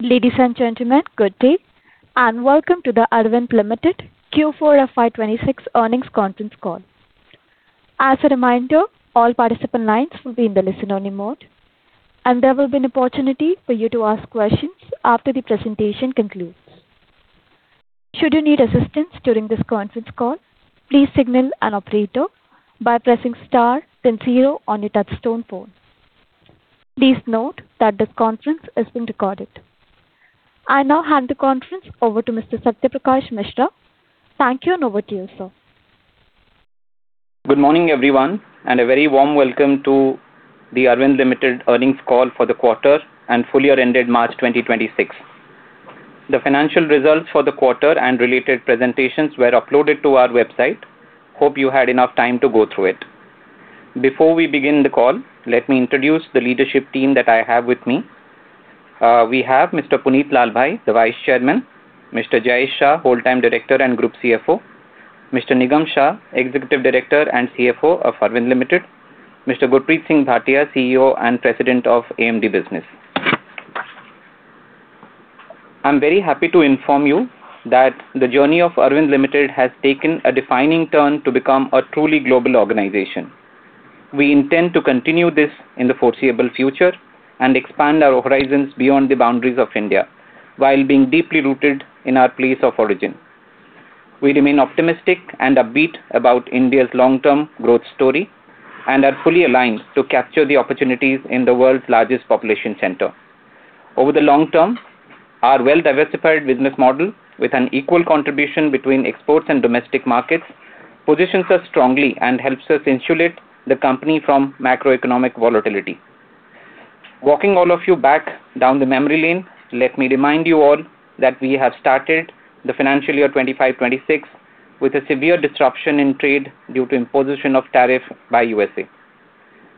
Ladies and gentlemen, good day, and welcome to the Arvind Limited Q4 FY 2026 earnings conference call. As a reminder, all participant lines will be in the listen-only mode, and there will be an opportunity for you to ask questions after the presentation concludes. Should you need assistance during this conference call, please signal an operator by pressing star then zero on your touchtone phone. Please note that this conference is being recorded. I now hand the conference over to Mr. Satya Prakash Mishra. Thank you, and over to you, sir. Good morning, everyone, and a very warm welcome to the Arvind Limited earnings call for the quarter and full year ended March 2026. The financial results for the quarter and related presentations were uploaded to our website. Hope you had enough time to go through it. Before we begin the call, let me introduce the leadership team that I have with me. We have Mr. Punit Lalbhai, the Vice Chairman, Mr. Jayesh Shah, Whole-time Director and Group CFO, Mr. Nigam Shah, Executive Director and CFO of Arvind Limited, Mr. Gurpreet Singh Bhatia, CEO and President of AMD Business. I'm very happy to inform you that the journey of Arvind Limited has taken a defining turn to become a truly global organization. We intend to continue this in the foreseeable future and expand our horizons beyond the boundaries of India while being deeply rooted in its place of origin. We remain optimistic and upbeat about India's long-term growth story and are fully aligned to capture the opportunities in the world's largest population center. Over the long term, our well-diversified business model with an equal contribution between exports and domestic markets positions us strongly and helps us insulate the company from macroeconomic volatility. Walking all of you back down the memory lane, let me remind you all that we have started the financial year 2025/2026 with a severe disruption in trade due to imposition of tariff by U.S.A.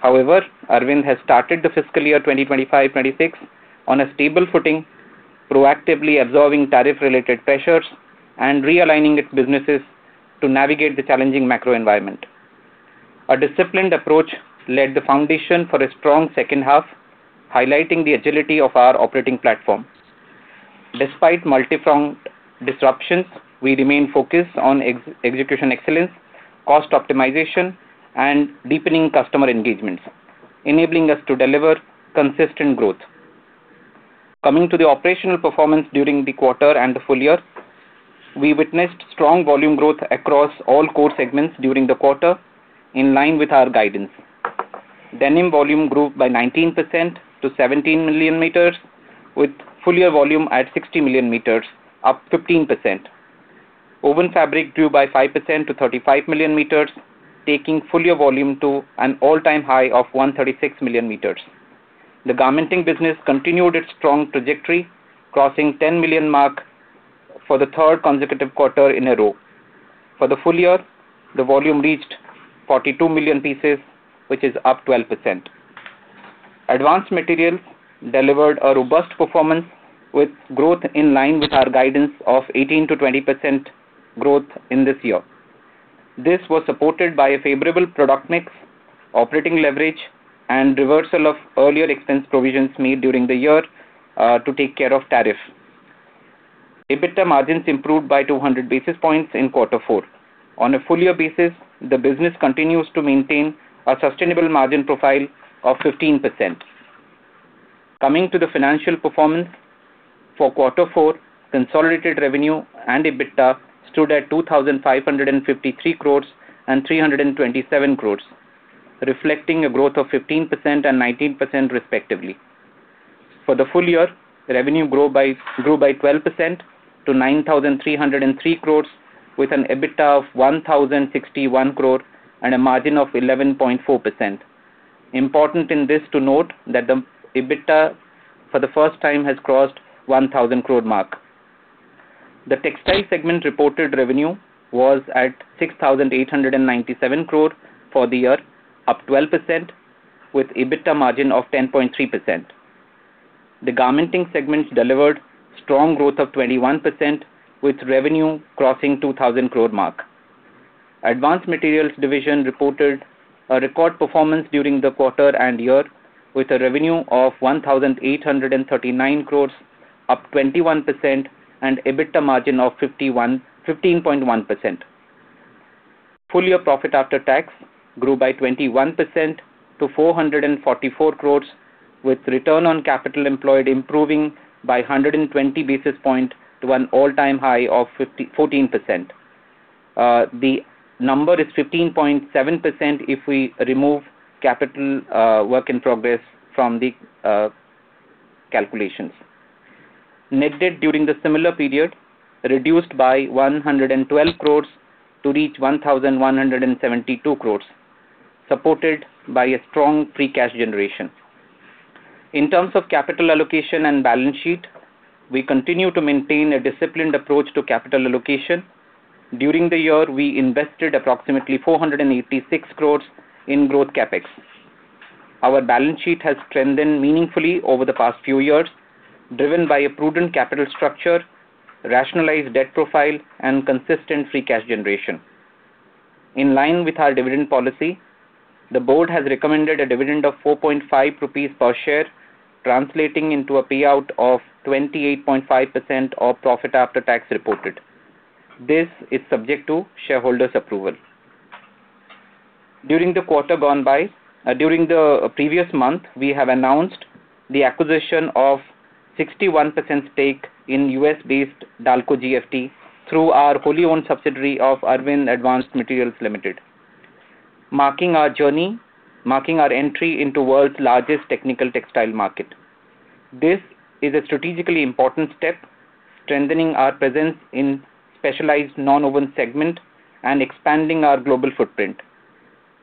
However, Arvind has started the fiscal year 2025/2026 on a stable footing, proactively absorbing tariff-related pressures and realigning its businesses to navigate the challenging macro environment. A disciplined approach laid the foundation for a strong second half, highlighting the agility of our operating platforms. Despite multifaceted disruptions, we remain focused on execution excellence, cost optimization, and deepening customer engagements, enabling us to deliver consistent growth. Coming to the operational performance during the quarter and the full year, we witnessed strong volume growth across all core segments during the quarter in line with our guidance. Denim volume grew by 19% to 17 million meters, with full year volume at 60 million meters, up 15%. Woven fabric grew by 5% to 35 million meters, taking full year volume to an all-time high of 136 million meters. The garmenting business continued its strong trajectory, crossing 10 million mark for the 3rd consecutive quarter in a row. For the full year, the volume reached 42 million pieces, which is up 12%. Advanced Materials delivered a robust performance with growth in line with our guidance of 18%-20% growth in this year. This was supported by a favorable product mix, operating leverage, and reversal of earlier expense provisions made during the year to take care of tariff. EBITDA margins improved by 200 basis points in Q4. On a full year basis, the business continues to maintain a sustainable margin profile of 15%. Coming to the financial performance, for Q4, consolidated revenue and EBITDA stood at 2,553 crore and 327 crore, reflecting a growth of 15% and 19% respectively. For the full year, revenue grew by 12% to 9,303 crore with an EBITDA of 1,061 crore and a margin of 11.4%. Important in this to note that the EBITDA for the first time has crossed 1,000 crore mark. The textile segment reported revenue was at 6,897 crore for the year, up 12% with EBITDA margin of 10.3%. The garmenting segment delivered strong growth of 21% with revenue crossing 2,000 crore mark. Advanced Materials Division reported a record performance during the quarter and year with a revenue of 1,839 crore, up 21% and EBITDA margin of 15.1%. Full year profit after tax grew by 21% to 444 crore with return on capital employed improving by 120 basis points to an all-time high of 14%. The number is 15.7% if we remove capital, work in progress from the calculations. Net debt during the similar period reduced by 112 crores to reach 1,172 crores, supported by a strong free cash generation. In terms of capital allocation and balance sheet, we continue to maintain a disciplined approach to capital allocation. During the year, we invested approximately 486 crores in growth CapEx. Our balance sheet has strengthened meaningfully over the past few years, driven by a prudent capital structure, rationalized debt profile, and consistent free cash generation. In line with our dividend policy, the board has recommended a dividend of 4.5 rupees per share, translating into a payout of 28.5% of profit after tax reported. This is subject to shareholders' approval. During the quarter gone by, during the previous month, we have announced the acquisition of 61% stake in U.S.-based Dalco-GFT through our wholly owned subsidiary of Arvind Advanced Materials Limited, marking our entry into world's largest technical textile market. This is a strategically important step, strengthening our presence in specialized non-woven segment and expanding our global footprint.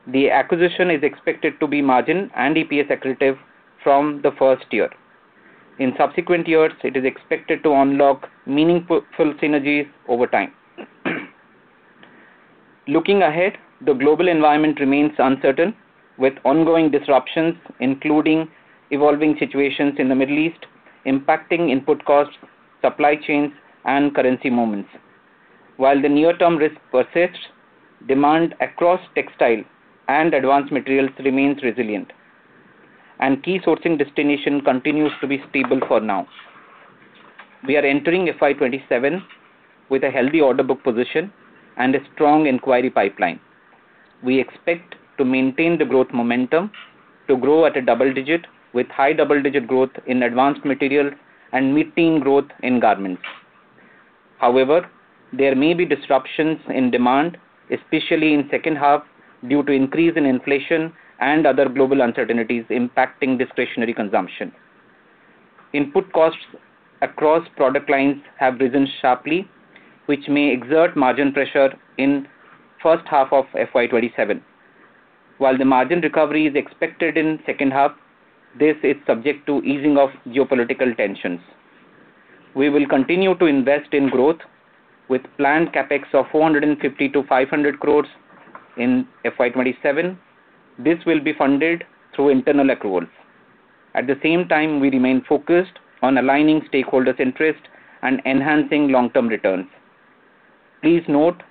The acquisition is expected to be margin and EPS accretive from the first year. In subsequent years, it is expected to unlock meaningful synergies over time. Looking ahead, the global environment remains uncertain, with ongoing disruptions, including evolving situations in the Middle East, impacting input costs, supply chains, and currency movements. While the near-term risk persists, demand across textile and advanced materials remains resilient, and key sourcing destination continues to be stable for now. We are entering FY 2027 with a healthy order book position and a strong inquiry pipeline. We expect to maintain the growth momentum to grow at a double-digit, with high double-digit growth in advanced material and mid-teen growth in garments. However, there may be disruptions in demand, especially in second half, due to increase in inflation and other global uncertainties impacting discretionary consumption. Input costs across product lines have risen sharply, which may exert margin pressure in first half of FY 2027. While the margin recovery is expected in second half, this is subject to easing of geopolitical tensions. We will continue to invest in growth with planned CapEx of 450 crores-INR500 crores in FY 2027. This will be funded through internal accruals. At the same time, we remain focused on aligning stakeholders' interest and enhancing long-term returns. Please note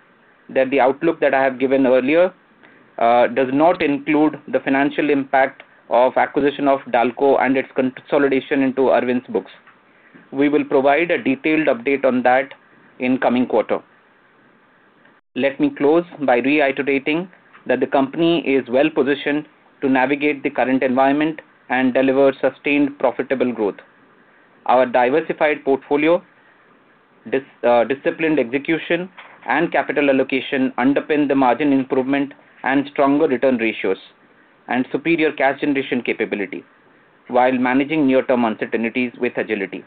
that the outlook that I have given earlier does not include the financial impact of acquisition of Dalco and its consolidation into Arvind's books. We will provide a detailed update on that in coming quarter. Let me close by reiterating that the company is well-positioned to navigate the current environment and deliver sustained profitable growth. Our diversified portfolio, disciplined execution and capital allocation underpin the margin improvement and stronger return ratios and superior cash generation capability while managing near-term uncertainties with agility.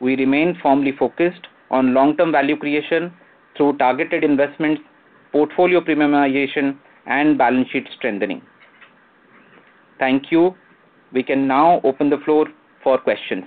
We remain firmly focused on long-term value creation through targeted investments, portfolio premiumization, and balance sheet strengthening. Thank you. We can now open the floor for questions.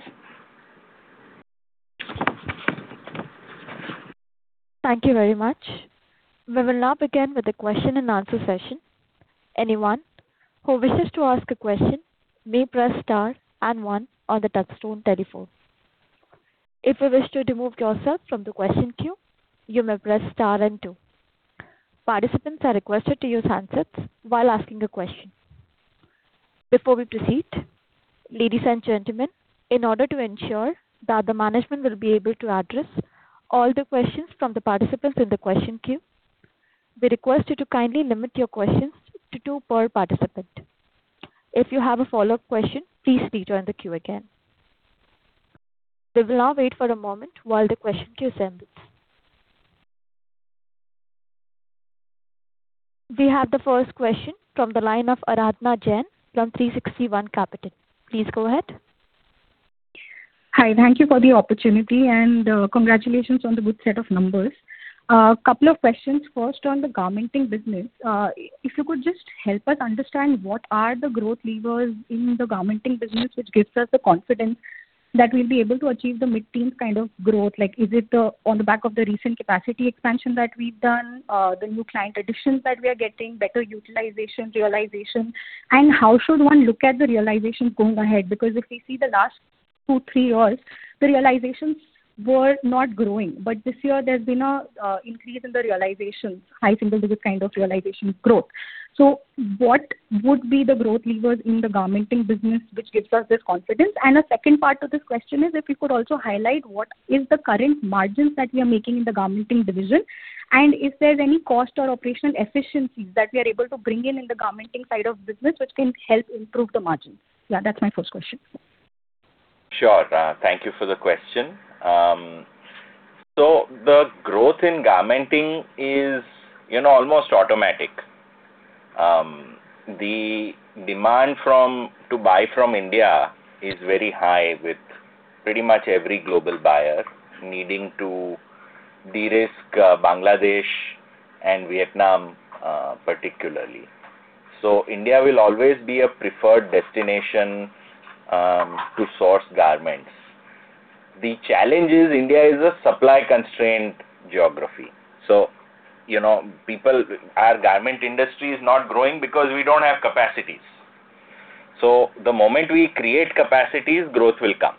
We have the first question from the line of Aradhana Jain from 360 ONE Capital. Please go ahead. Hi. Thank you for the opportunity, congratulations on the good set of numbers. Two questions. First, on the garmenting business, if you could just help us understand what are the growth levers in the garmenting business which gives us the confidence that we'll be able to achieve the mid-teen kind of growth? Like, is it on the back of the recent capacity expansion that we've done? The new client additions that we are getting, better utilization, realization? How should one look at the realization going ahead? Because if we see the last two-three years, the realizations were not growing. This year there's been an increase in the realization, high single-digit kind of realization growth. What would be the growth levers in the garmenting business which gives us this confidence? A second part to this question is if you could also highlight what is the current margins that we are making in the garmenting division, and if there is any cost or operational efficiencies that we are able to bring in the garmenting side of business which can help improve the margin. Yeah, that is my first question. Sure. Thank you for the question. The growth in garmenting is, you know, almost automatic. The demand to buy from India is very high with pretty much every global buyer needing to de-risk Bangladesh and Vietnam particularly. India will always be a preferred destination to source garments. The challenge is India is a supply-constrained geography. Our garment industry is not growing because we don't have capacities. The moment we create capacities, growth will come.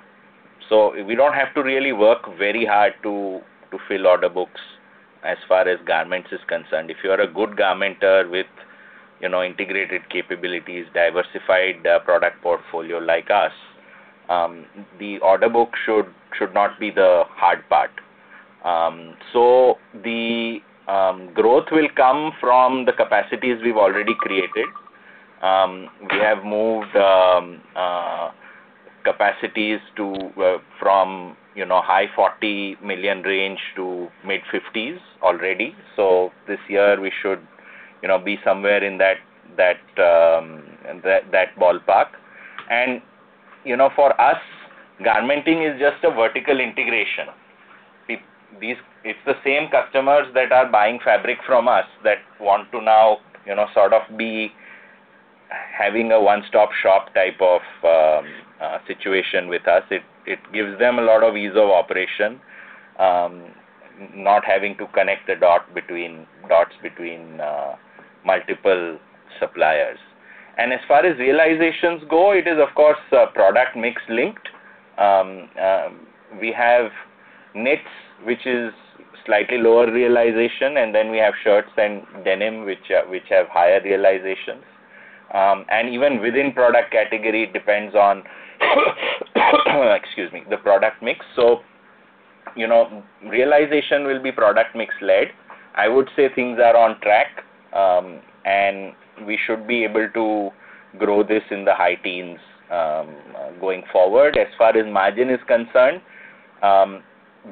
We don't have to really work very hard to fill order books as far as garments is concerned. If you are a good garmenter with, you know, integrated capabilities, diversified product portfolio like us, the order book should not be the hard part. The growth will come from the capacities we've already created. We have moved capacities to from, you know, high 40 million range to mid-50s already. This year we should, you know, be somewhere in that ballpark. You know, for us, garmenting is just a vertical integration. It's the same customers that are buying fabric from us that want to now, you know, sort of be having a one-stop shop type of situation with us. It gives them a lot of ease of operation, not having to connect the dots between multiple suppliers. As far as realizations go, it is of course, a product mix linked. We have knits, which is slightly lower realization, and then we have shirts and denim which have higher realizations. Even within product category, it depends on excuse me, the product mix. You know, realization will be product mix led. I would say things are on track, and we should be able to grow this in the high teens, going forward. As far as margin is concerned,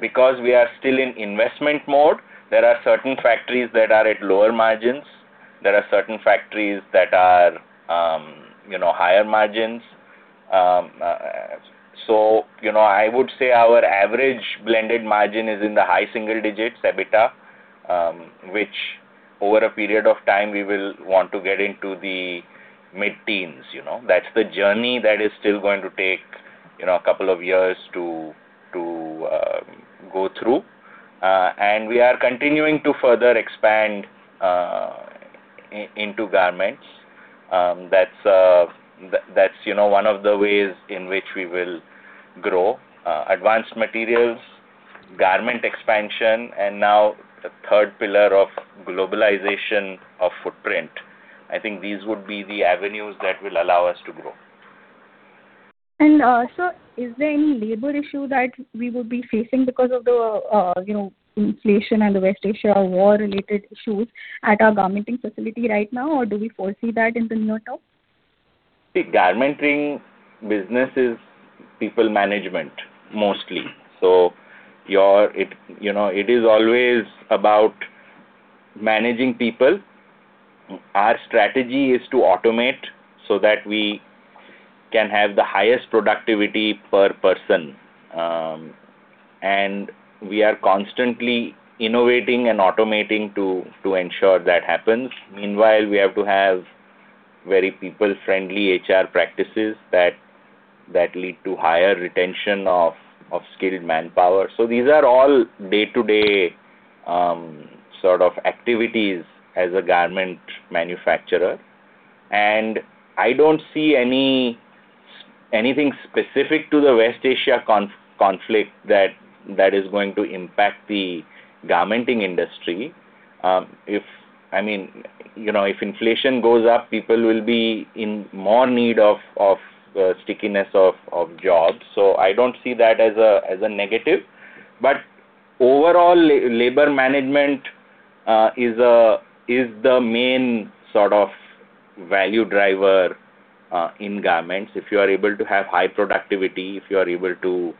because we are still in investment mode, there are certain factories that are at lower margins. There are certain factories that are, you know, higher margins. You know, I would say our average blended margin is in the high single digits, EBITDA, which over a period of time we will want to get into the mid-teens, you know. That's the journey that is still going to take, you know, a couple of years to go through. We are continuing to further expand into garments. That's, that's, you know, one of the ways in which we will grow. Advanced materials, garment expansion, and now the third pillar of globalization of footprint, I think these would be the avenues that will allow us to grow. Sir, is there any labor issue that we would be facing because of the, you know, inflation and the West Asia war-related issues at our garmenting facility right now, or do we foresee that in the near term? See, garmenting business is people management mostly. You know, it is always about managing people. Our strategy is to automate so that we can have the highest productivity per person. We are constantly innovating and automating to ensure that happens. Meanwhile, we have to have very people-friendly HR practices that lead to higher retention of skilled manpower. These are all day-to-day sort of activities as a garment manufacturer. I don't see anything specific to the West Asia conflict that is going to impact the garmenting industry. If I mean, you know, if inflation goes up, people will be in more need of stickiness of jobs. I don't see that as a negative. Overall, labor management is the main sort of value driver in garments. If you are able to have high productivity, if you are able to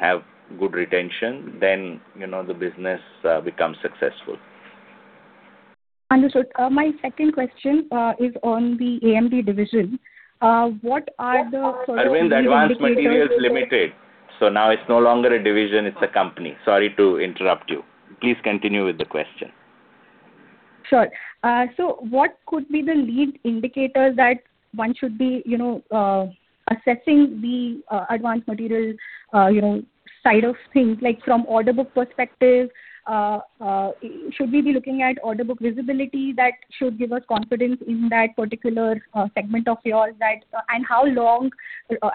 have good retention, then, you know, the business becomes successful. Understood. My second question is on the AMD division. Arvind Advanced Materials Limited. Now it's no longer a division, it's a company. Sorry to interrupt you. Please continue with the question. Sure. What could be the lead indicators that one should be, you know, assessing the Advanced Materials, you know, side of things? Like from order book perspective, should we be looking at order book visibility that should give us confidence in that particular segment of yours? How long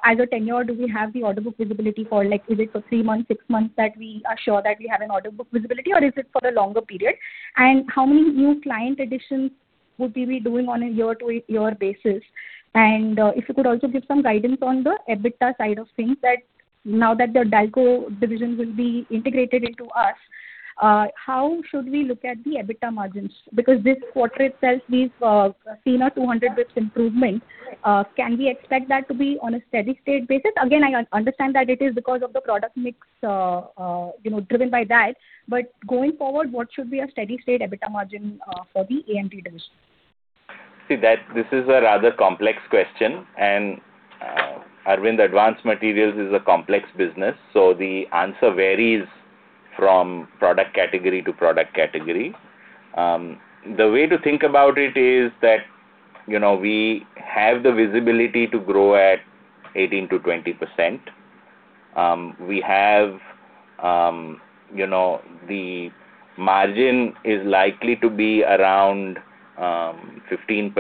as a tenure do we have the order book visibility for? Like, is it for three months, six months that we are sure that we have an order book visibility, or is it for a longer period? How many new client additions would we be doing on a year-to-year basis? If you could also give some guidance on the EBITDA side of things that now that the Dalco division will be integrated into us, how should we look at the EBITDA margins? This quarter itself we've seen a 200 basis improvement. Can we expect that to be on a steady-state basis? Again, I understand that it is because of the product mix, you know, driven by that. Going forward, what should be a steady-state EBITDA margin for the AMD division? This is a rather complex question, and Arvind Advanced Materials is a complex business, so the answer varies from product category to product category. The way to think about it is that, you know, we have the visibility to grow at 18%-20%. We have, you know, the margin is likely to be around 15%-16%.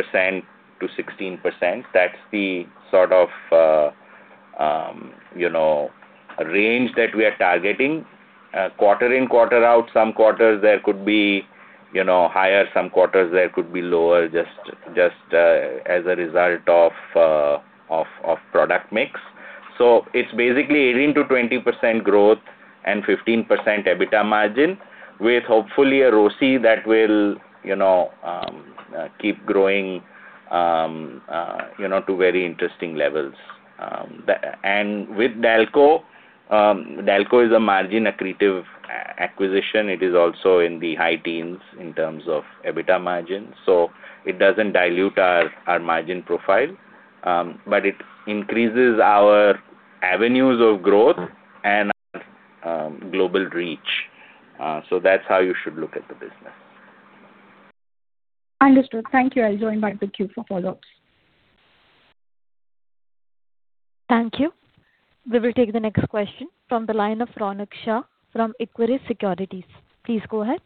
That's the sort of, you know, range that we are targeting. Quarter in, quarter out, some quarters there could be, you know, higher, some quarters there could be lower, just as a result of product mix. It's basically 18%-20% growth and 15% EBITDA margin with hopefully a ROCE that will, you know, keep growing, you know, to very interesting levels. With Dalco is a margin-accretive acquisition. It is also in the high teens in terms of EBITDA margin. It doesn't dilute our margin profile, but it increases our avenues of growth. Global reach. That's how you should look at the business. Understood. Thank you. I'll join back the queue for follow-ups. Thank you. We will take the next question from the line of Ronak Shah from Equirus Securities. Please go ahead.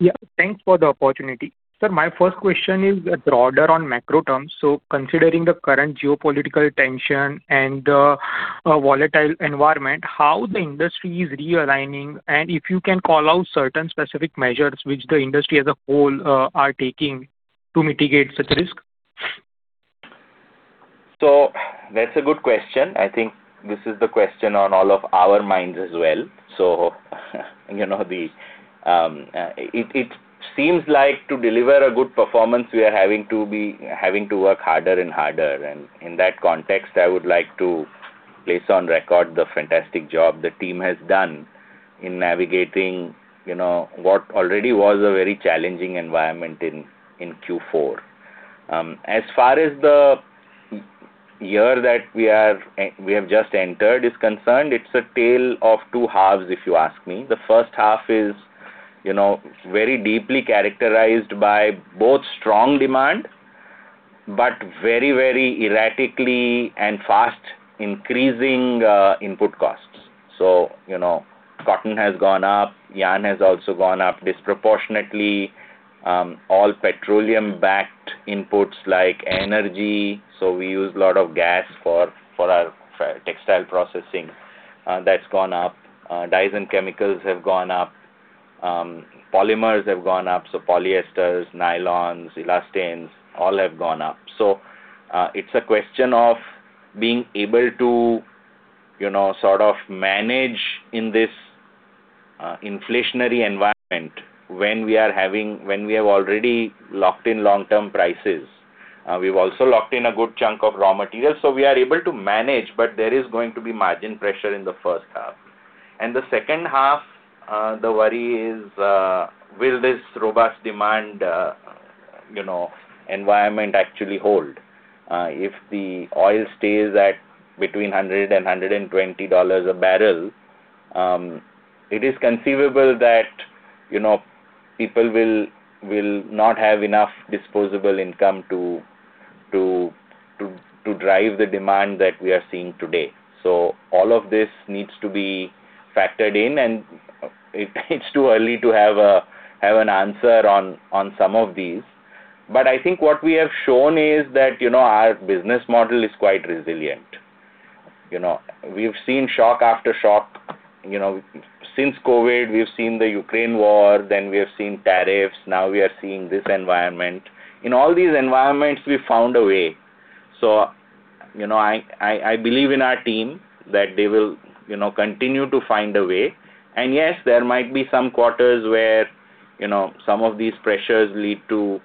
Yeah, thanks for the opportunity. Sir, my first question is broader on macro terms. Considering the current geopolitical tension and a volatile environment, how the industry is realigning, and if you can call out certain specific measures which the industry as a whole are taking to mitigate such risk. That's a good question. I think this is the question on all of our minds as well. You know, it seems like to deliver a good performance, we are having to work harder and harder. In that context, I would like to place on record the fantastic job the team has done in navigating, you know, what already was a very challenging environment in Q4. As far as the year that we have just entered is concerned, it's a tale of two halves, if you ask me. The first half is, you know, very deeply characterized by both strong demand, but very, very erratically and fast increasing input costs. You know, cotton has gone up, yarn has also gone up disproportionately. All petroleum-backed inputs like energy, so we use a lot of gas for our textile processing, that's gone up. Dyes and chemicals have gone up. Polymers have gone up. Polyesters, nylons, elastanes, all have gone up. It's a question of being able to, you know, sort of manage in this, inflationary environment when we have already locked in long-term prices. We've also locked in a good chunk of raw materials, so we are able to manage, but there is going to be margin pressure in the first half. The second half, the worry is, will this robust demand, you know, environment actually hold? If the oil stays at between $100 and $120 a barrel, it is conceivable that, you know, people will not have enough disposable income to drive the demand that we are seeing today. All of this needs to be factored in, and it's too early to have an answer on some of these. I think what we have shown is that, you know, our business model is quite resilient. You know, we've seen shock after shock, you know, since COVID. We've seen the Ukraine war, then we have seen tariffs, now we are seeing this environment. In all these environments, we found a way. You know, I believe in our team that they will, you know, continue to find a way. Yes, there might be some quarters where, you know, some of these pressures lead to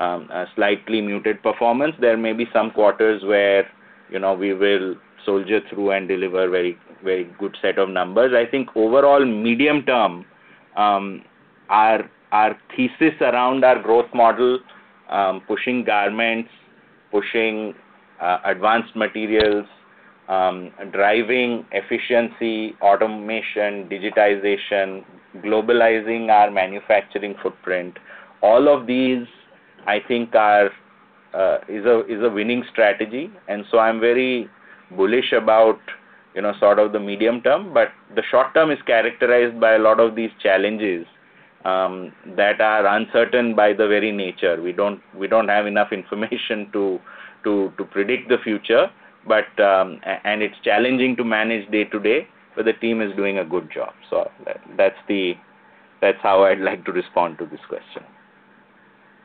a slightly muted performance. There may be some quarters where, you know, we will soldier through and deliver very, very good set of numbers. I think overall medium term, our thesis around our growth model, pushing garments, pushing advanced materials, driving efficiency, automation, digitization, globalizing our manufacturing footprint, all of these, I think are, is a winning strategy. I'm very bullish about, you know, sort of the medium term. The short term is characterized by a lot of these challenges that are uncertain by the very nature. We don't have enough information to predict the future. It's challenging to manage day to day, but the team is doing a good job. That's how I'd like to respond to this question.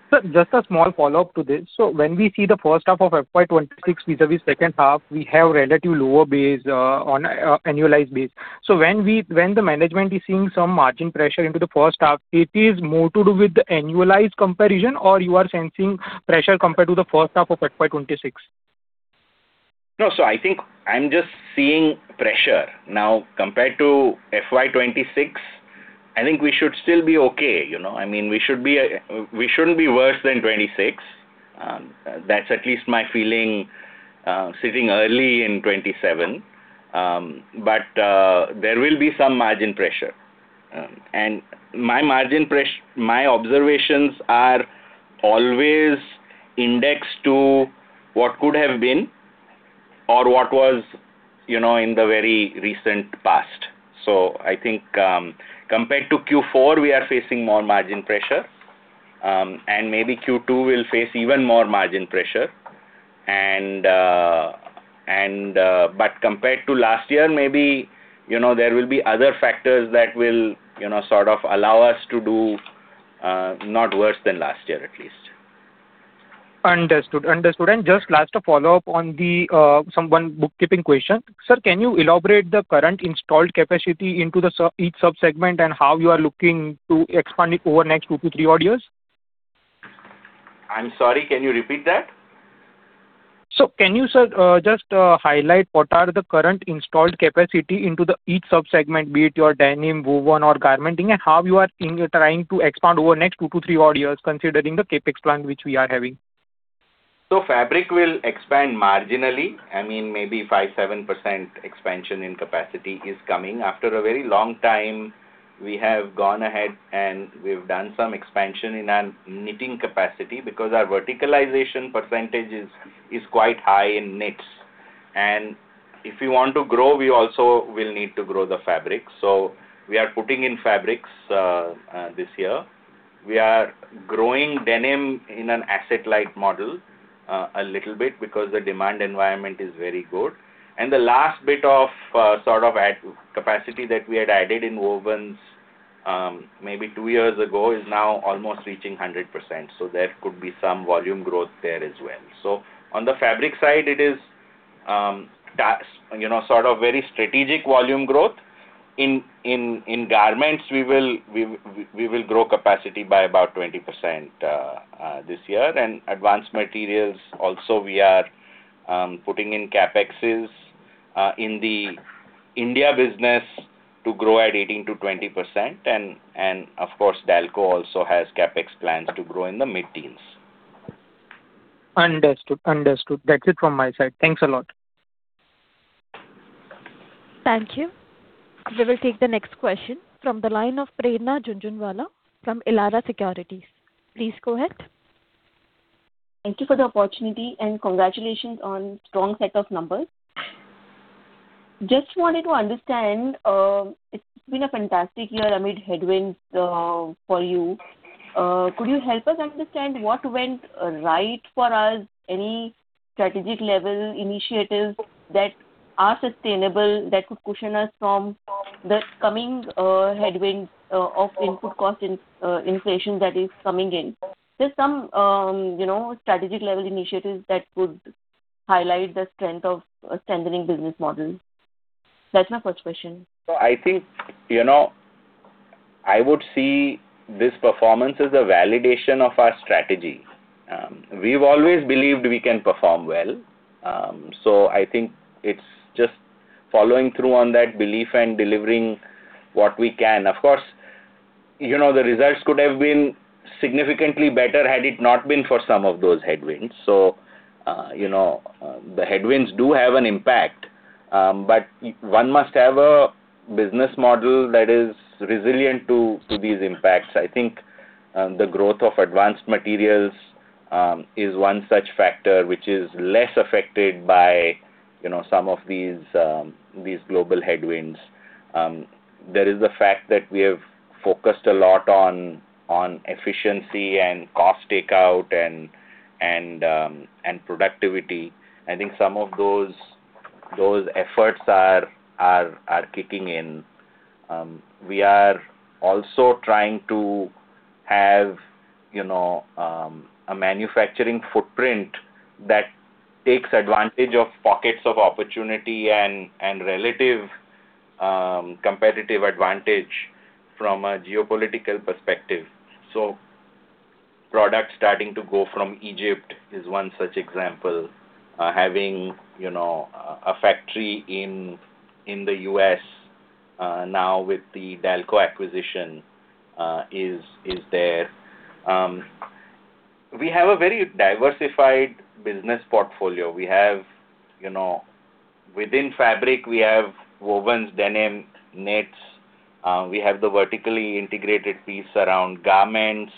Sir, just a small follow-up to this. When we see the first half of FY 2026 vis-à-vis second half, we have relative lower base on annualized base. When the management is seeing some margin pressure into the first half, it is more to do with the annualized comparison or you are sensing pressure compared to the first half of FY 2026? No. I think I'm just seeing pressure. Compared to FY 2026, I think we should still be okay, you know. I mean, we should be, we shouldn't be worse than 2026. That's at least my feeling, sitting early in 2027. There will be some margin pressure. My observations are always indexed to what could have been or what was, you know, in the very recent past. Compared to Q4, we are facing more margin pressure, and maybe Q2 will face even more margin pressure. Compared to last year, maybe, you know, there will be other factors that will, you know, sort of allow us to do, not worse than last year, at least. Understood. Understood. Just last, a follow-up on the one bookkeeping question. Sir, can you elaborate the current installed capacity into each sub-segment and how you are looking to expand it over next two to three odd years? I'm sorry, can you repeat that? can you, sir, just highlight what are the current installed capacity into the each sub-segment, be it your denim, woven or garmenting, and how you are trying to expand over next two-three odd years considering the CapEx plan which we are having? Fabric will expand marginally. I mean, maybe 5%, 7% expansion in capacity is coming. After a very long time, we have gone ahead, and we've done some expansion in our knitting capacity because our verticalization percentage is quite high in knits. If we want to grow, we also will need to grow the fabric. We are putting in fabrics this year. We are growing denim in an asset-light model a little bit because the demand environment is very good. The last bit of sort of ad capacity that we had added in wovens, maybe two years ago, is now almost reaching 100%. There could be some volume growth there as well. On the fabric side, it is, that's, you know, sort of very strategic volume growth. In garments, we will grow capacity by about 20% this year. Advanced materials also, we are putting in CapExes in the India business to grow at 18%-20%. Of course, Dalco also has CapEx plans to grow in the mid-teens. Understood. Understood. That's it from my side. Thanks a lot. Thank you. We will take the next question from the line of Prerna Jhunjhunwala from Elara Securities. Please go ahead. Thank you for the opportunity, and congratulations on strong set of numbers. Wanted to understand, it's been a fantastic year amid headwinds for you. Could you help us understand what went right for us, any strategic level initiatives that are sustainable that could cushion us from the coming headwind of input cost in inflation that is coming in? Some, you know, strategic level initiatives that could highlight the strength of a strengthening business model. That's my first question. I think, you know, I would see this performance as a validation of our strategy. We've always believed we can perform well. I think it's just following through on that belief and delivering what we can. Of course, you know, the results could have been significantly better had it not been for some of those headwinds. You know, the headwinds do have an impact, but one must have a business model that is resilient to these impacts. I think the growth of advanced materials is one such factor which is less affected by, you know, some of these global headwinds. There is the fact that we have focused a lot on efficiency and cost takeout and productivity. I think some of those efforts are kicking in. We are also trying to have a manufacturing footprint that takes advantage of pockets of opportunity and relative competitive advantage from a geopolitical perspective. Product starting to go from Egypt is one such example. Having a factory in the U.S. now with the Dalco acquisition is there. We have a very diversified business portfolio. We have within fabric, we have wovens, denim, knits. We have the vertically integrated piece around garments.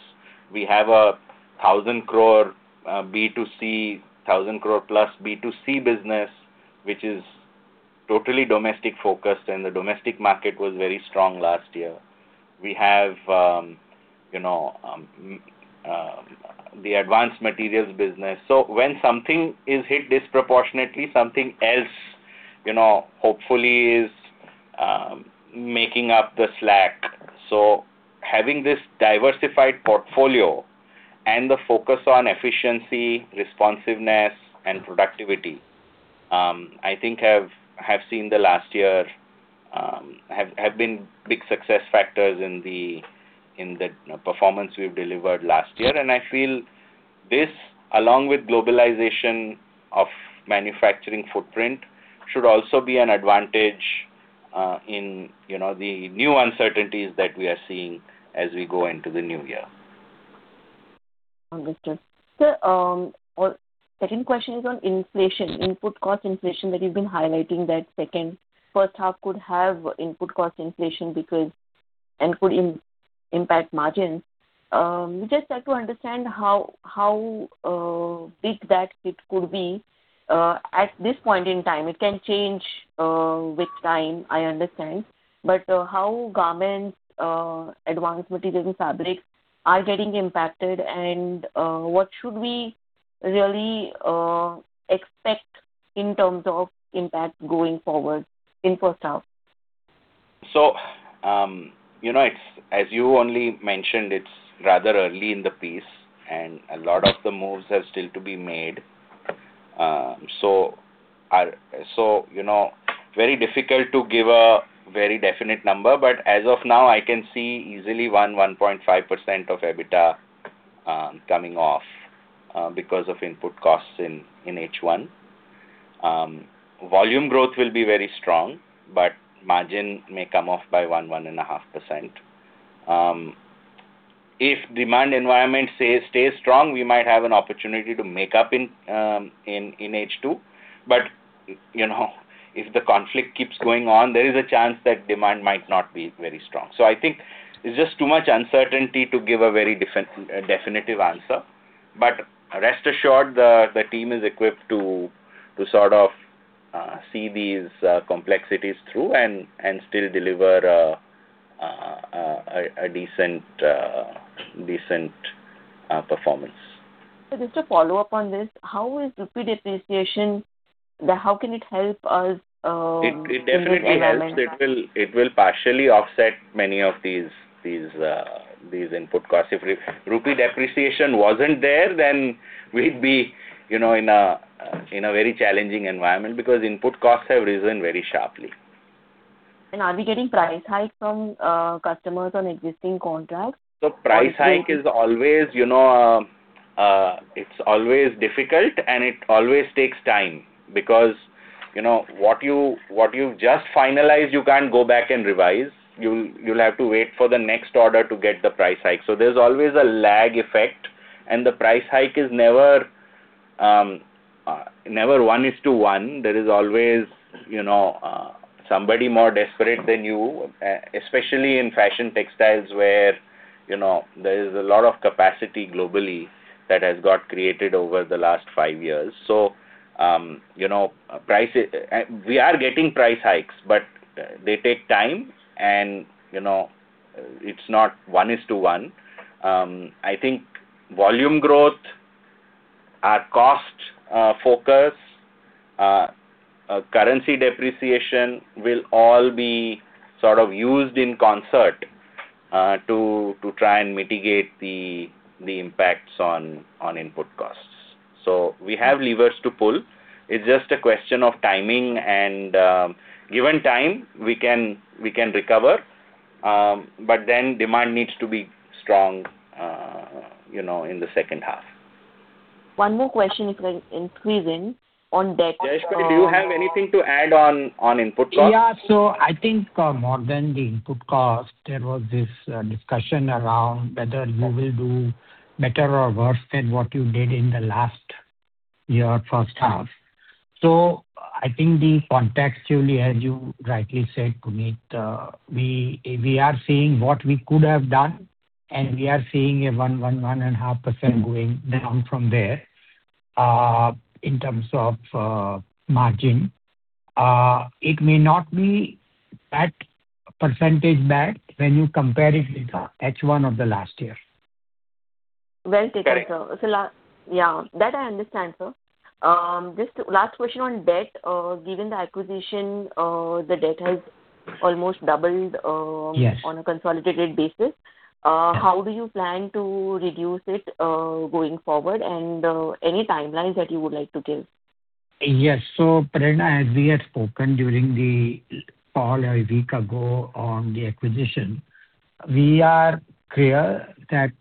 We have an 1,000 crore, B2C, 1,000+ crore B2C business, which is totally domestic-focused, and the domestic market was very strong last year. We have the advanced materials business. When something is hit disproportionately, something else hopefully is making up the slack. Having this diversified portfolio and the focus on efficiency, responsiveness, and productivity, I think have seen the last year have been big success factors in the, you know, performance we've delivered last year. I feel this, along with globalization of manufacturing footprint, should also be an advantage, in, you know, the new uncertainties that we are seeing as we go into the new year. Understood. Sir, our second question is on inflation, input cost inflation that you've been highlighting that first half could have input cost inflation because and could impact margin. We just try to understand how big that hit could be at this point in time. It can change with time, I understand. How garments, Advanced Materials and fabrics are getting impacted and, what should we really expect in terms of impact going forward in first half? You know, it's As you only mentioned, it's rather early in the piece, and a lot of the moves are still to be made. You know, very difficult to give a very definite number, but as of now, I can see easily one, 1.5% of EBITDA coming off because of input costs in H1. Volume growth will be very strong, but margin may come off by one, 1.5%. If demand environment stays strong, we might have an opportunity to make up in H2. You know, if the conflict keeps going on, there is a chance that demand might not be very strong. I think it's just too much uncertainty to give a very definitive answer. Rest assured, the team is equipped to sort of see these complexities through and still deliver a decent performance. just to follow up on this, how is rupee depreciation, How can it help us, in this environment? It definitely helps. It will partially offset many of these input costs. If rupee depreciation wasn't there, then we'd be, you know, in a very challenging environment because input costs have risen very sharply. Are we getting price hike from customers on existing contracts? Price hike is always, you know, it's always difficult, and it always takes time because, you know, what you, what you've just finalized, you can't go back and revise. You'll, you'll have to wait for the next order to get the price hike. There's always a lag effect, and the price hike is never one is to one. There is always, you know, somebody more desperate than you, especially in fashion textiles, where, you know, there is a lot of capacity globally that has got created over the last five years. You know, we are getting price hikes, but they take time and, you know, it's not one is to one. I think volume growth, our cost, focus, currency depreciation will all be sort of used in concert to try and mitigate the impacts on input costs. We have levers to pull. It's just a question of timing and, given time, we can recover, but then demand needs to be strong in the second half. One more question, if I increase in on debt, Jayesh Shah, do you have anything to add on input cost? I think more than the input cost, there was this discussion around whether you will do better or worse than what you did in the last year, first half. I think contextually, as you rightly said, Punit, we are seeing what we could have done, and we are seeing a 1.5% going down from there in terms of margin. It may not be that percentage back when you compare it with H1 of the last year. Well taken, sir. Correct. Yeah, that I understand, sir. Just last question on debt. Given the acquisition, the debt has almost doubled. Yes on a consolidated basis. How do you plan to reduce it, going forward? Any timelines that you would like to give? Yes. Prerna, as we had spoken during the call a week ago on the acquisition, we are clear that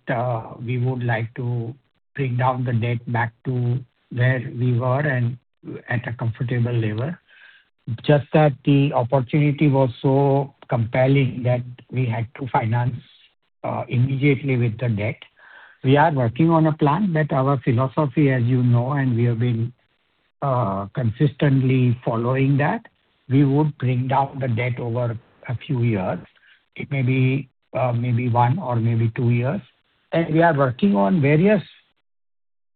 we would like to bring down the debt back to where we were and at a comfortable level. Just that the opportunity was so compelling that we had to finance immediately with the debt. We are working on a plan that our philosophy, as you know, and we have been consistently following that. We would bring down the debt over a few years. It may be maybe one or maybe two years. We are working on various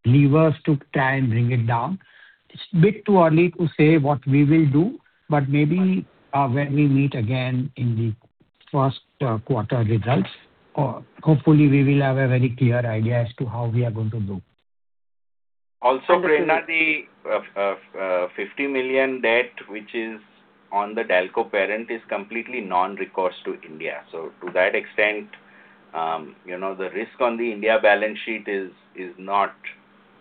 levers to try and bring it down. It's a bit too early to say what we will do, but maybe when we meet again in the first quarter results, hopefully we will have a very clear idea as to how we are going to do. Prerna, the $50 million debt, which is on the Dalco parent, is completely non-recourse to India. To that extent, you know, the risk on the India balance sheet is not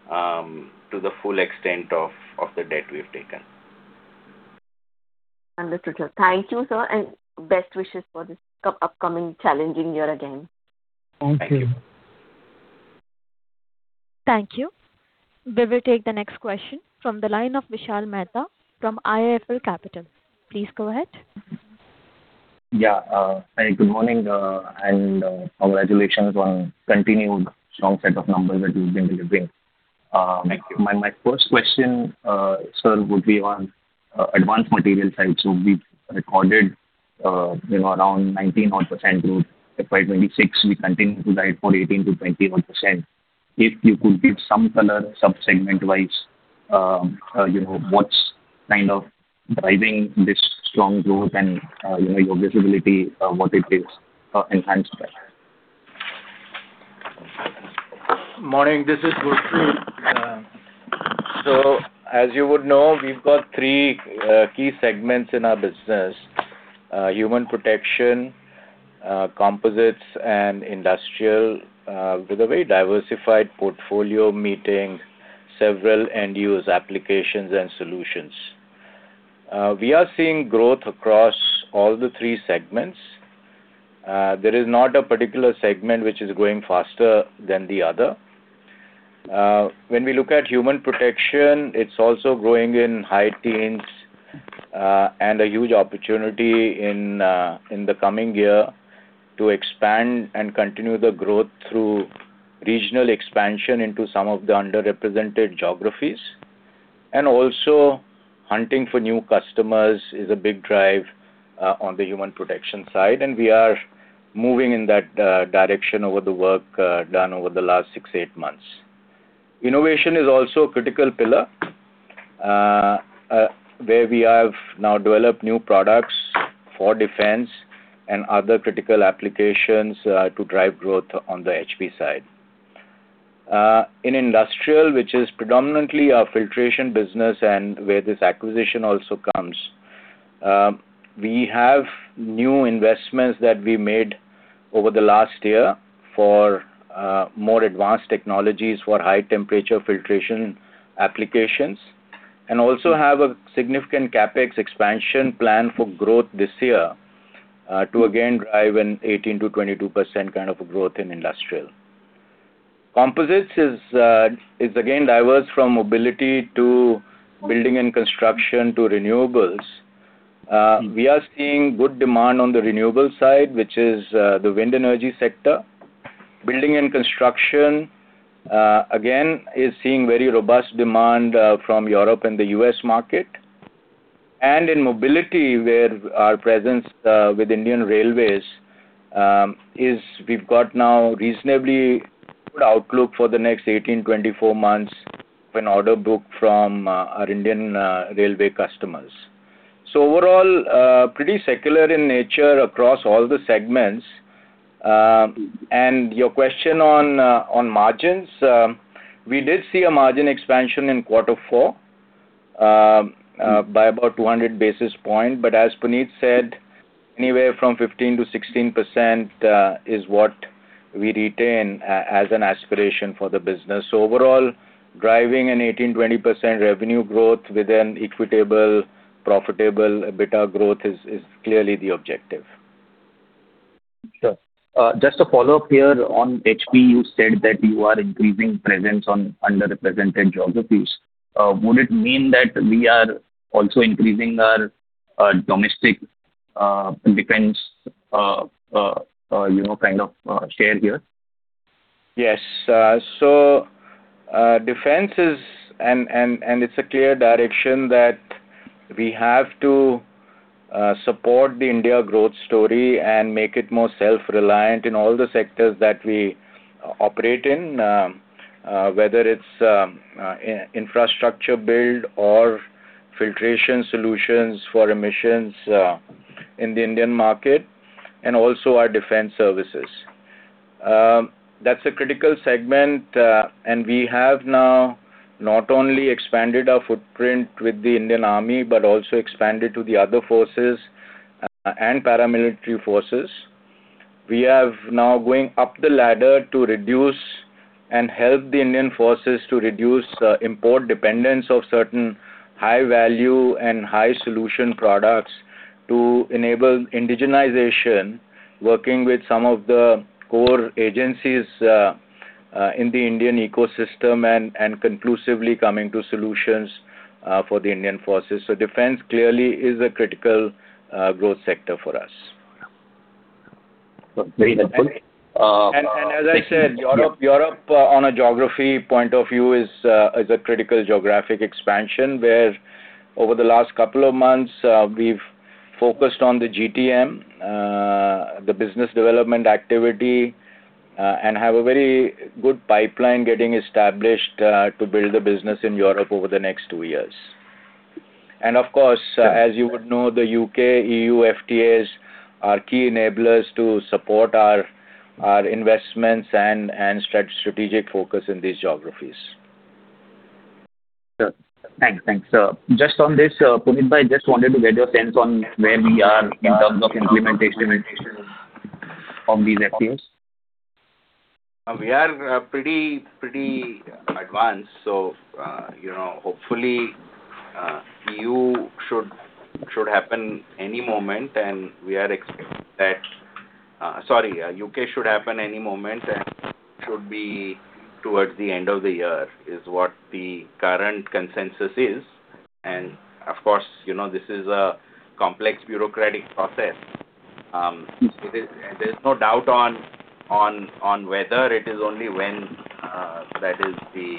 to the full extent of the debt we've taken. Understood, sir. Thank you, sir, and best wishes for this upcoming challenging year again. Thank you. Thank you. We will take the next question from the line of Vishal Mehta from IIFL Capital. Please go ahead. Hi, good morning, and congratulations on continued strong set of numbers that you've been delivering. My first question, sir, would be on Advanced Materials side. We've recorded, you know, around 19 odd percent growth. FY 2026, we continue to guide for 18%-21%. If you could give some color sub-segment-wise, you know, what's kind of driving this strong growth and, you know, your visibility, what it is in hindsight. Morning, this is Gurpreet. As you would know, we've got three key segments in our business: human protection, composites and industrial, with a very diversified portfolio meeting several end-use applications and solutions. We are seeing growth across all the three segments. There is not a particular segment which is growing faster than the other. When we look at human protection, it's also growing in high teens, and a huge opportunity in the coming year to expand and continue the growth through regional expansion into some of the underrepresented geographies. Also hunting for new customers is a big drive on the human protection side, and we are moving in that direction over the work done over the last six, eight months. Innovation is also a critical pillar, where we have now developed new products for defense and other critical applications, to drive growth on the HP side. In Industrial, which is predominantly our filtration business and where this acquisition also comes, we have new investments that we made over the last year for more advanced technologies for high temperature filtration applications and also have a significant CapEx expansion plan for growth this year, to again drive an 18%-22% kind of a growth in Industrial. Composites is again diverse from mobility to building and construction to renewables. We are seeing good demand on the renewable side, which is the wind energy sector. Building and construction again, is seeing very robust demand from Europe and the US market. In mobility, where our presence with Indian Railways is we've got now reasonably good outlook for the next 18, 24 months with an order book from our Indian Railway customers. Overall, pretty secular in nature across all the segments. Your question on margins, we did see a margin expansion in quarter four by about 200 basis points. As Punit said, anywhere from 15%-16% is what we retain as an aspiration for the business. Overall, driving an 18%, 20% revenue growth with an equitable profitable EBITDA growth is clearly the objective. Sure. Just a follow-up here on HP, you said that you are increasing presence on underrepresented geographies. Would it mean that we are also increasing our domestic defense, you know, kind of, share here? Yes. Defense is and it's a clear direction that we have to support the India growth story and make it more self-reliant in all the sectors that we operate in, whether it's in-infrastructure build or filtration solutions for emissions in the Indian market, and also our defense services. That's a critical segment, and we have now not only expanded our footprint with the Indian Army, but also expanded to the other forces and paramilitary forces. We have now going up the ladder to reduce and help the Indian forces to reduce import dependence of certain high value and high solution products to enable indigenization, working with some of the core agencies in the Indian ecosystem and conclusively coming to solutions for the Indian forces. Defense clearly is a critical growth sector for us. Very helpful. As I said, Europe on a geography point of view is a critical geographic expansion, where over the last couple of months, we've focused on the GTM, the business development activity, and have a very good pipeline getting established, to build the business in Europe over the next two years. Of course, as you would know, the U.K., E.U. FTAs are key enablers to support our investments and strategic focus in these geographies. Sure. Thanks. Thanks. Just on this, Punit, I just wanted to get your sense on where we are in terms of implementation of these FTAs. We are pretty advanced. So, you know, hopefully, E.U. should happen any moment, and we are expecting that. Sorry, U.K. should happen any moment and should be towards the end of the year is what the current consensus is. Of course, you know, this is a complex bureaucratic process. There's no doubt on whether. It is only when that is the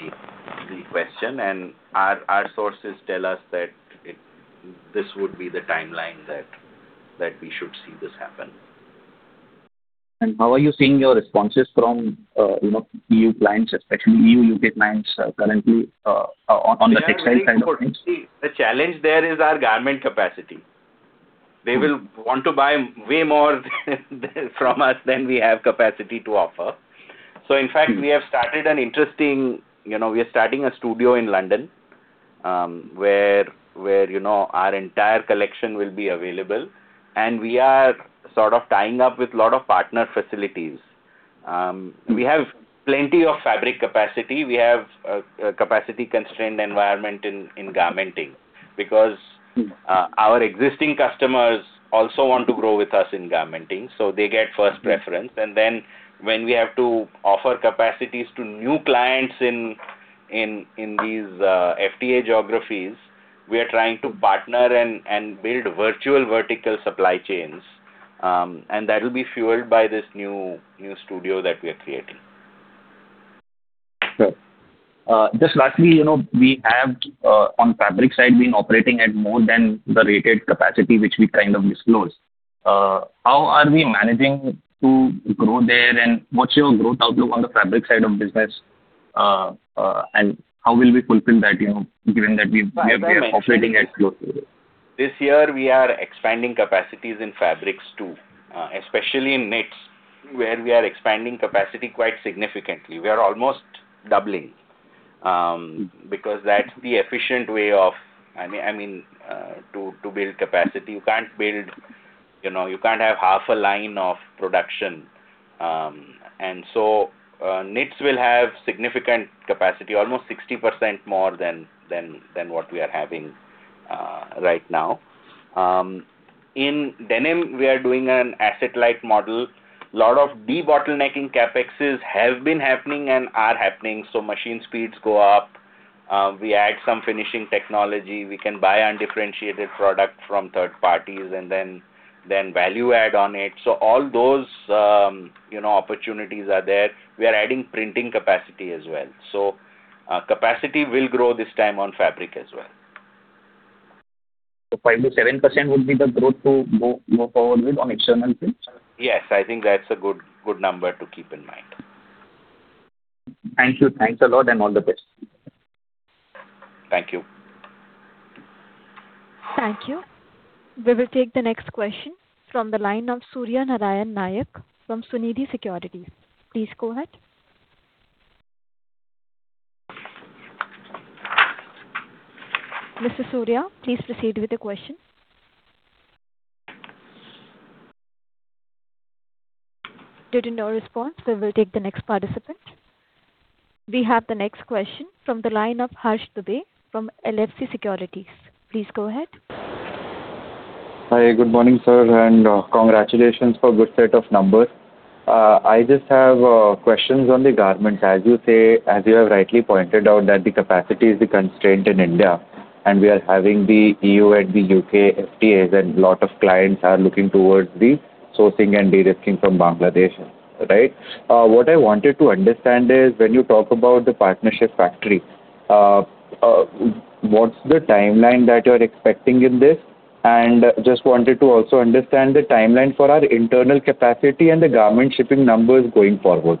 question. Our sources tell us that this would be the timeline that we should see this happen. How are you seeing your responses from, you know, EU clients, especially E.U., U.K. clients, currently, on the textile side of things? Yeah, I think importantly, the challenge there is our garment capacity. They will want to buy way more from us than we have capacity to offer. You know, we are starting a studio in London, where, you know, our entire collection will be available, and we are sort of tying up with lot of partner facilities. We have plenty of fabric capacity. We have a capacity-constrained environment in garmenting because. Our existing customers also want to grow with us in garmenting, they get first preference. When we have to offer capacities to new clients in these FTA geographies, we are trying to partner and build virtual vertical supply chains. That'll be fueled by this new studio that we are creating. Sure. Just lastly, you know, we have on fabric side, been operating at more than the rated capacity which we kind of disclosed. How are we managing to grow there, and what's your growth outlook on the fabric side of business? How will we fulfill that, you know? As I mentioned- we are operating at close to it. this year we are expanding capacities in fabrics too, especially in knits. where we are expanding capacity quite significantly. We are almost doubling, because that's the efficient way of I mean, to build capacity. You can't build, you know, you can't have half a line of production. Knits will have significant capacity, almost 60% more than what we are having right now. In denim, we are doing an asset-light model. Lot of debottlenecking CapEx have been happening and are happening, so machine speeds go up. We add some finishing technology. We can buy undifferentiated product from third parties and then value add on it. All those, you know, opportunities are there. We are adding printing capacity as well. Capacity will grow this time on fabric as well. 5%-7% will be the growth to go forward with on external front? Yes. I think that's a good number to keep in mind. Thank you. Thanks a lot, and all the best. Thank you. Thank you. We will take the next question from the line of Surya Narayan Nayak from Sunidhi Securities. Please go ahead. Mr. Surya, please proceed with your question. Due to no response, we will take the next participant. We have the next question from the line of Harsh Dubey from LFC Securities. Please go ahead. Hi. Good morning, sir, and congratulations for good set of numbers. I just have questions on the garments. As you say, as you have rightly pointed out that the capacity is the constraint in India and we are having the E.U. and the U.K. FTAs and lot of clients are looking towards the sourcing and de-risking from Bangladesh, right? What I wanted to understand is when you talk about the partnership factory, what's the timeline that you're expecting in this? Just wanted to also understand the timeline for our internal capacity and the garment shipping numbers going forward.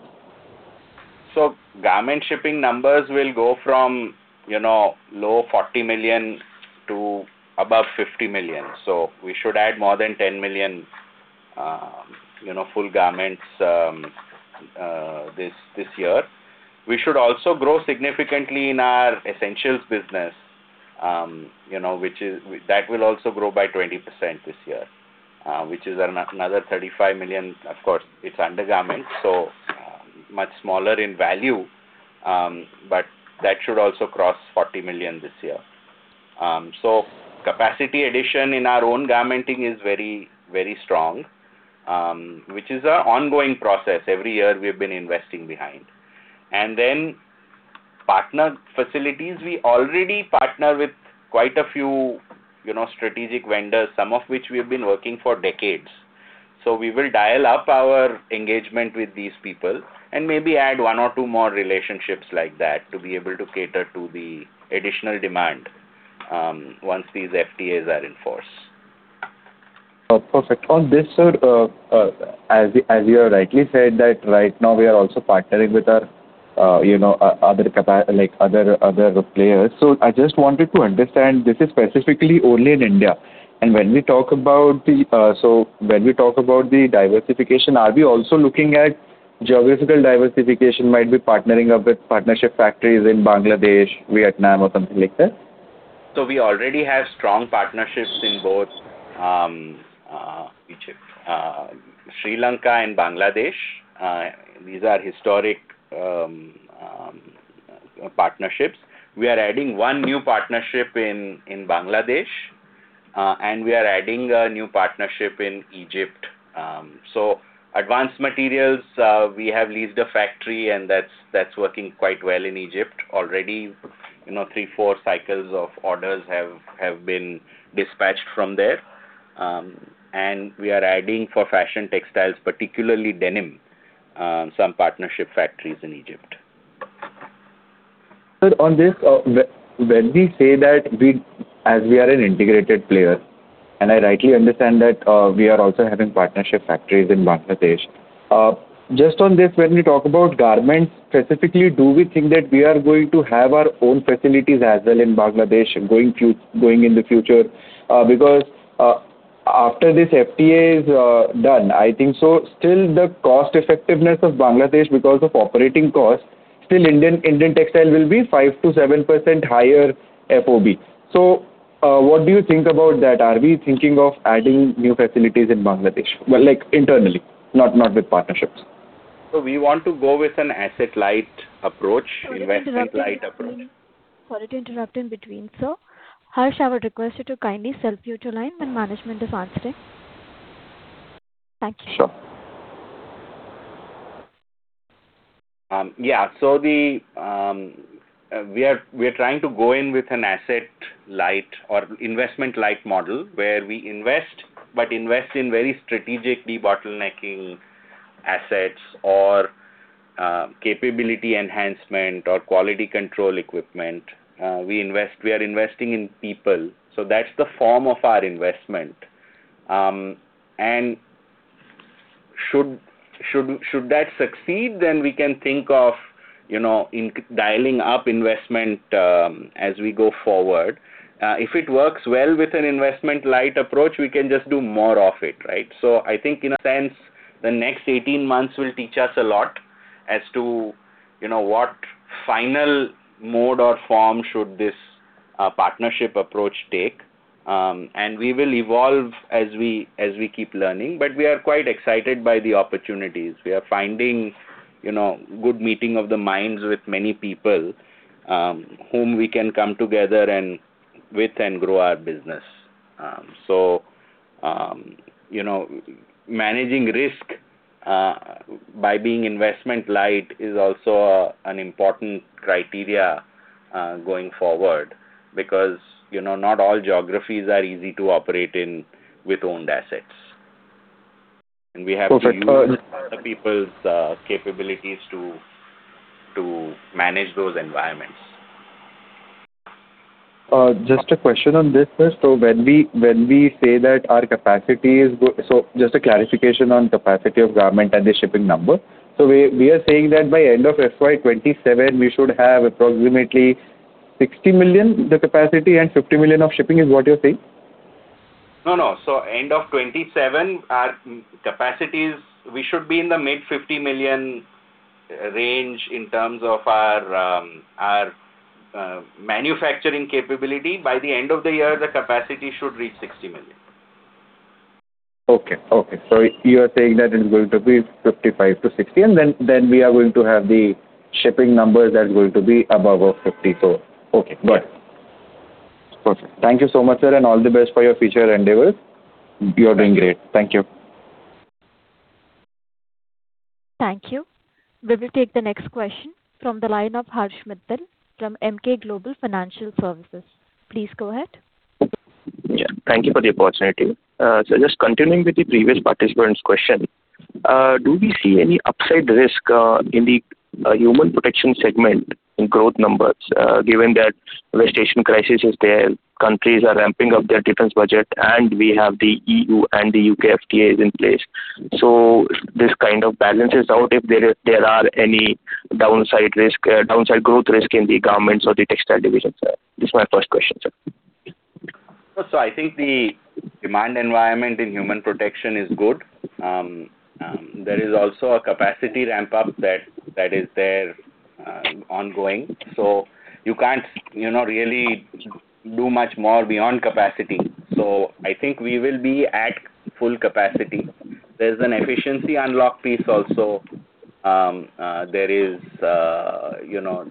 Garment shipping numbers will go from, you know, low 40 million to above 50 million. We should add more than 10 million, you know, full garments this year. We should also grow significantly in our essentials business, you know, that will also grow by 20% this year, which is another 35 million. Of course, it's undergarments, so much smaller in value, but that should also cross 40 million this year. Capacity addition in our own garmenting is very strong, which is an ongoing process. Every year we've been investing behind. Partner facilities, we already partner with quite a few, you know, strategic vendors, some of which we have been working for decades. We will dial up our engagement with these people and maybe add one or two more relationships like that to be able to cater to the additional demand once these FTAs are in force. Oh, perfect. On this, sir, as you have rightly said that right now we are also partnering with our, you know, other players. I just wanted to understand, this is specifically only in India. When we talk about the diversification, are we also looking at geographical diversification, might be partnering up with partnership factories in Bangladesh, Vietnam or something like that? We already have strong partnerships in both Egypt, Sri Lanka and Bangladesh. These are historic partnerships. We are adding one new partnership in Bangladesh, and we are adding a new partnership in Egypt. Advanced materials, we have leased a factory, and that's working quite well in Egypt already. You know, three, four cycles of orders have been dispatched from there. We are adding for fashion textiles, particularly denim, some partnership factories in Egypt. Sir, on this, as we are an integrated player, and I rightly understand that, we are also having partnership factories in Bangladesh. Just on this, when we talk about garments specifically, do we think that we are going to have our own facilities as well in Bangladesh going in the future? After this FTA is done, I think so still the cost effectiveness of Bangladesh because of operating costs, still Indian textile will be 5%-7% higher FOB. What do you think about that? Are we thinking of adding new facilities in Bangladesh? Well, like internally, not with partnerships. We want to go with an asset light approach, investment light approach. Sorry to interrupt in between, sir. Harsh, I would request you to kindly self-mute your line when management is answering. Thank you. Sure. We are trying to go in with an asset light or investment light model where we invest but invest in very strategically bottlenecking assets or capability enhancement or quality control equipment. We are investing in people, so that's the form of our investment. Should that succeed, then we can think of, you know, dialing up investment as we go forward. If it works well with an investment light approach, we can just do more of it, right? I think in a sense, the next 18 months will teach us a lot as to, you know, what final mode or form should this partnership approach take. We will evolve as we keep learning. We are quite excited by the opportunities. We are finding, you know, good meeting of the minds with many people, whom we can come together and with and grow our business. You know, managing risk, by being investment light is also an important criteria, going forward because, you know, not all geographies are easy to operate in with owned assets. So for third- other people's, capabilities to manage those environments. Just a question on this, sir. Just a clarification on capacity of garment and the shipping number. We are saying that by end of FY 2027, we should have approximately 60 million, the capacity and 50 million of shipping is what you're saying? No, no. End of 2027, our capacities, we should be in the mid 50 million range in terms of our manufacturing capability. By the end of the year, the capacity should reach 60 million. Okay. Okay. You are saying that it's going to be 55-60, and then we are going to have the shipping numbers that's going to be above of 50. Okay. Got it. Perfect. Thank you so much, sir, and all the best for your future endeavors. You're doing great. Thank you. Thank you. We will take the next question from the line of Harsh Mittal from Emkay Global Financial Services. Please go ahead. Thank you for the opportunity. Continuing with the previous participant's question, do we see any upside risk in the human protection segment in growth numbers, given that the recession crisis is there, countries are ramping up their defense budget, and we have the E.U. and the U.K. FTA is in place. This kind of balances out if there are any downside risk, downside growth risk in the garments or the textile division side. This is my first question, sir. I think the demand environment in human protection is good. There is also a capacity ramp-up that is there ongoing. You can't, you know, really do much more beyond capacity. I think we will be at full capacity. There's an efficiency unlock piece also. There is, you know,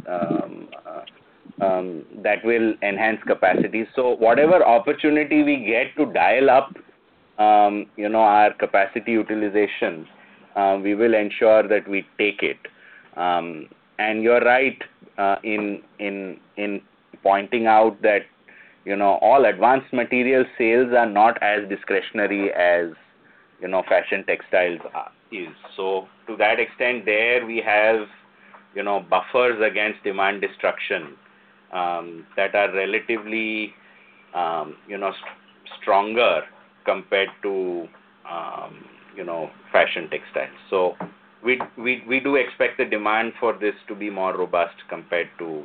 that will enhance capacity. Whatever opportunity we get to dial up, you know, our capacity utilization, we will ensure that we take it. And you're right, in pointing out that, you know, all advanced material sales are not as discretionary as, you know, fashion textiles are, is. To that extent, there we have, you know, buffers against demand destruction, that are relatively, you know, stronger compared to, you know, fashion textiles. We do expect the demand for this to be more robust compared to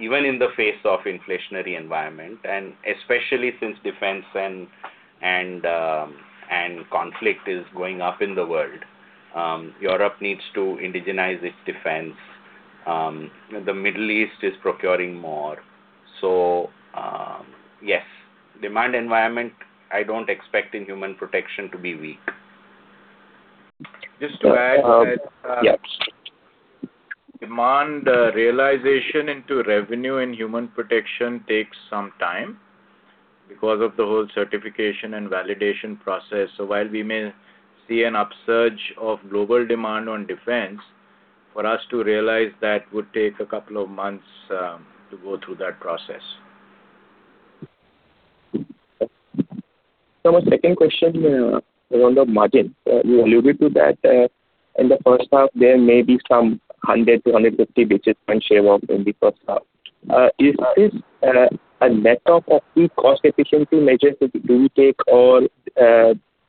even in the face of inflationary environment, and especially since defense and conflict is going up in the world. Europe needs to indigenize its defense. The Middle East is procuring more. Yes, demand environment, I don't expect in human protection to be weak. Just to add that- Yeah demand realization into revenue and human protection takes some time because of the whole certification and validation process. While we may see an upsurge of global demand on defense, for us to realize that would take a couple of months to go through that process. Sir, my second question around the margin. You alluded to that, in the first half there may be some 100 basis point-150 basis point shave off in the first half. Is this a net off of the cost efficiency measures that you take or,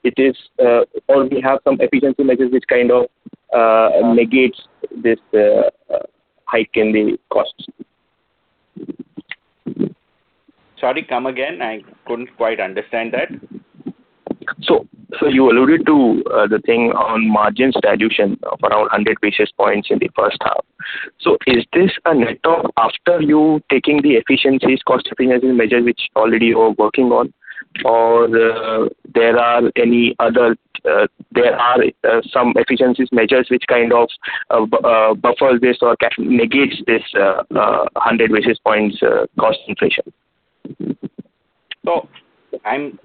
it is, or we have some efficiency measures which kind of, negates this, hike in the costs? Sorry, come again. I couldn't quite understand that. sir, you alluded to the thing on margin dilution of around 100 basis points in the first half. Is this a net off after you taking the efficiencies, cost efficiency measures which already you're working on or there are any other, there are some efficiencies measures which kind of buffers this or can negates this 100 basis points cost inflation? I'm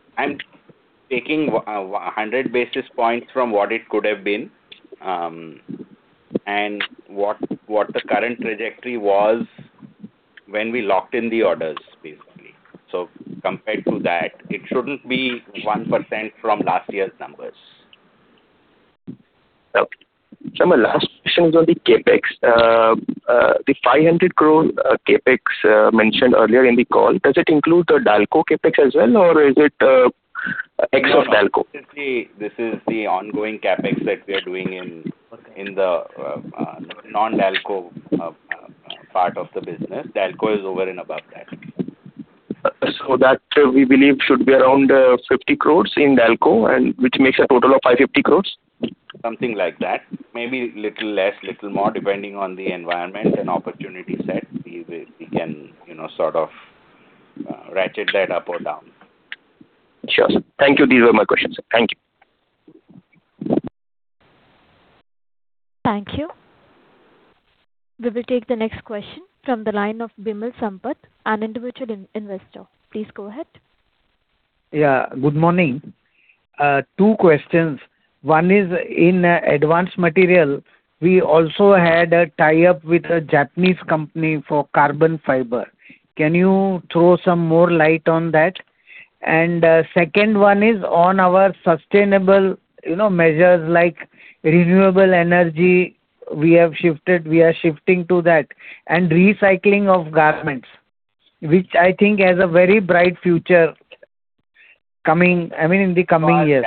taking 100 basis points from what it could have been, and what the current trajectory was when we locked in the orders, basically. Compared to that, it shouldn't be 1% from last year's numbers. Okay. Sir, my last question is on the CapEx. The 500 crore CapEx mentioned earlier in the call, does it include the Dalco CapEx as well or is it ex of Dalco? No, this is the ongoing CapEx that we are doing in- Okay in the non-Dalco part of the business. Dalco is over and above that. That we believe should be around, 50 crores in Dalco and which makes a total of 550 crores? Something like that. Maybe little less, little more, depending on the environment and opportunity set we can, you know, sort of, ratchet that up or down. Sure, sir. Thank you. These were my questions. Thank you. Thank you. We will take the next question from the line of Vimal Sampath, an individual investor. Please go ahead. Yeah, good morning. Two questions. One is in advanced material. We also had a tie-up with a Japanese company for carbon fiber. Can you throw some more light on that? Second one is on our sustainable, you know, measures like renewable energy we have shifted, we are shifting to that and recycling of garments, which I think has a very bright future coming, I mean, in the coming years.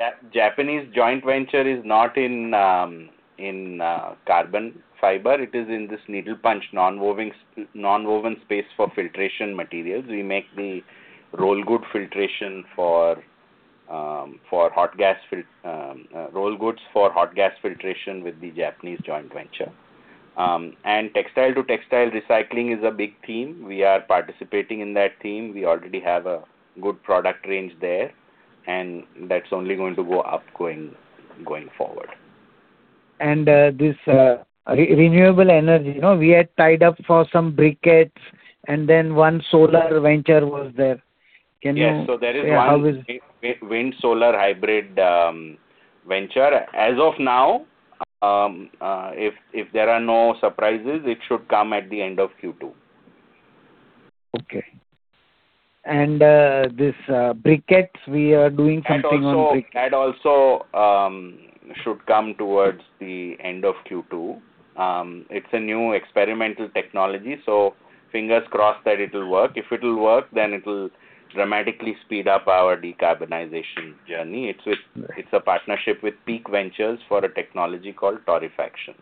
Our Japanese joint venture is not in carbon fiber. It is in this needle punch non-wovens, non-woven space for filtration materials. We make the roll good filtration for for hot gas roll goods for hot gas filtration with the Japanese joint venture. Textile to textile recycling is a big theme. We are participating in that theme. We already have a good product range there, and that's only going to go up going forward. This renewable energy. You know, we had tied up for some briquettes and then one solar venture was there. Yes. Yeah. wind-solar hybrid, venture. As of now, if there are no surprises, it should come at the end of Q2. Okay. This briquettes we are doing something on briquettes. That also should come towards the end of Q2. It's a new experimental technology, so fingers crossed that it'll work. If it'll work, then it'll dramatically speed up our decarbonization journey. Right It's a partnership with Peak Sustainability Ventures for a technology called torrefaction.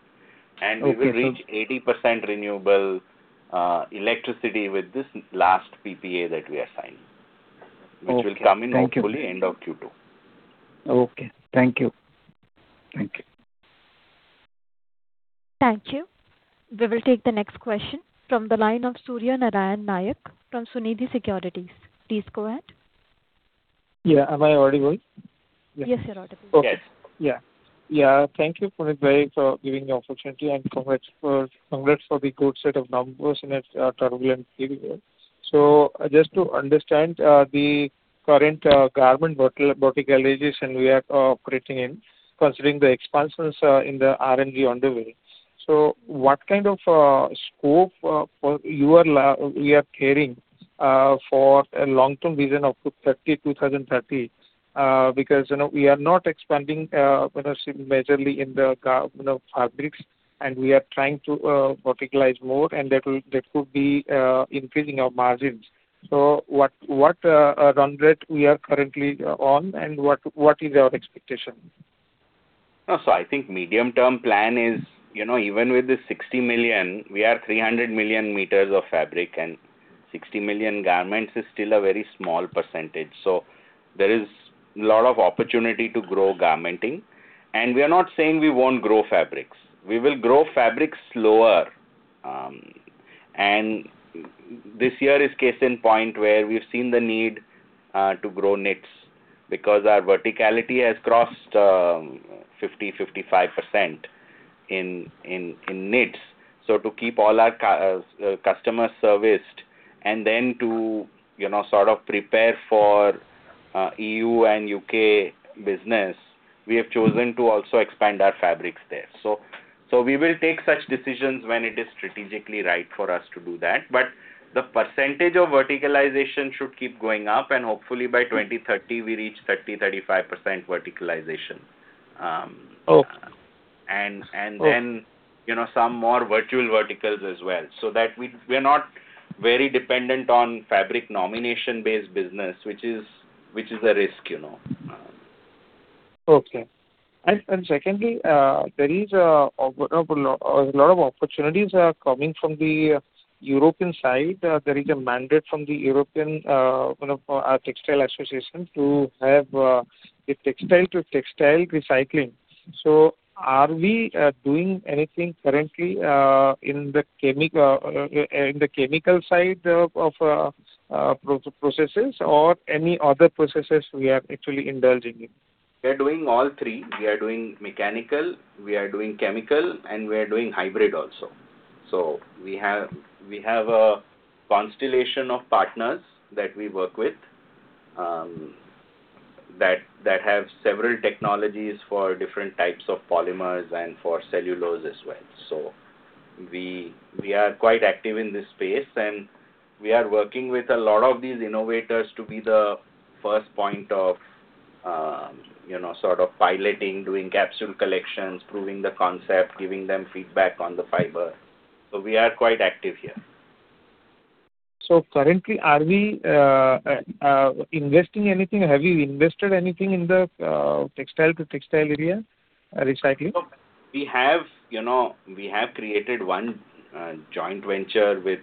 Okay. We will reach 80% renewable electricity with this last PPA that we are signing. Okay. Thank you. Will come in hopefully end of Q2. Okay. Thank you. Thank you. Thank you. We will take the next question from the line of Surya Narayan Nayak from Sunidhi Securities. Please go ahead. Yeah. Am I audible? Yes, you're audible. Yes. Okay. Yeah. Yeah. Thank you, Punit bhai, for giving the opportunity and congrats for the good set of numbers in a turbulent period. Just to understand the current garment verticalization we are operating in, considering the expansions in the RNG underway, what kind of scope for you are carrying for a long-term vision up to 2030? You know, we are not expanding, you know, significantly in the fabrics, and we are trying to verticalize more, and that could be increasing our margins. What run-rate we are currently on, and what is our expectation? No, I think medium-term plan is, you know, even with the 60 million, we are 300 million meters of fabric, and 60 million garments is still a very small percentage. There is lot of opportunity to grow garmenting. We are not saying we won't grow fabrics. We will grow fabrics slower. This year is case in point where we've seen the need to grow knits because our verticality has crossed 50%-55% in knits. To keep all our customer serviced and then to, you know, sort of prepare for E.U. and U.K. business, we have chosen to also expand our fabrics there. We will take such decisions when it is strategically right for us to do that. The percentage of verticalization should keep going up, and hopefully by 2030 we reach 30%-35% verticalization. Okay. Then Okay. You know, some more virtual verticals as well, so that we're not very dependent on fabric nomination-based business, which is, which is a risk, you know. Okay. Secondly, there is a lot of opportunities are coming from the European side. There is a mandate from the European, you know, Textile Association to have a textile-to-textile recycling. Are we doing anything currently in the chemical side of processes or any other processes we are actually indulging in? We are doing all three. We are doing mechanical, we are doing chemical, and we are doing hybrid also. We have a constellation of partners that we work with, that have several technologies for different types of polymers and for cellulose as well. We are quite active in this space, and we are working with a lot of these innovators to be the first point of, you know, sort of piloting, doing capsule collections, proving the concept, giving them feedback on the fiber. We are quite active here. Currently, are we investing anything? Have you invested anything in the textile-to-textile area, recycling? We have. You know, we have created one joint venture with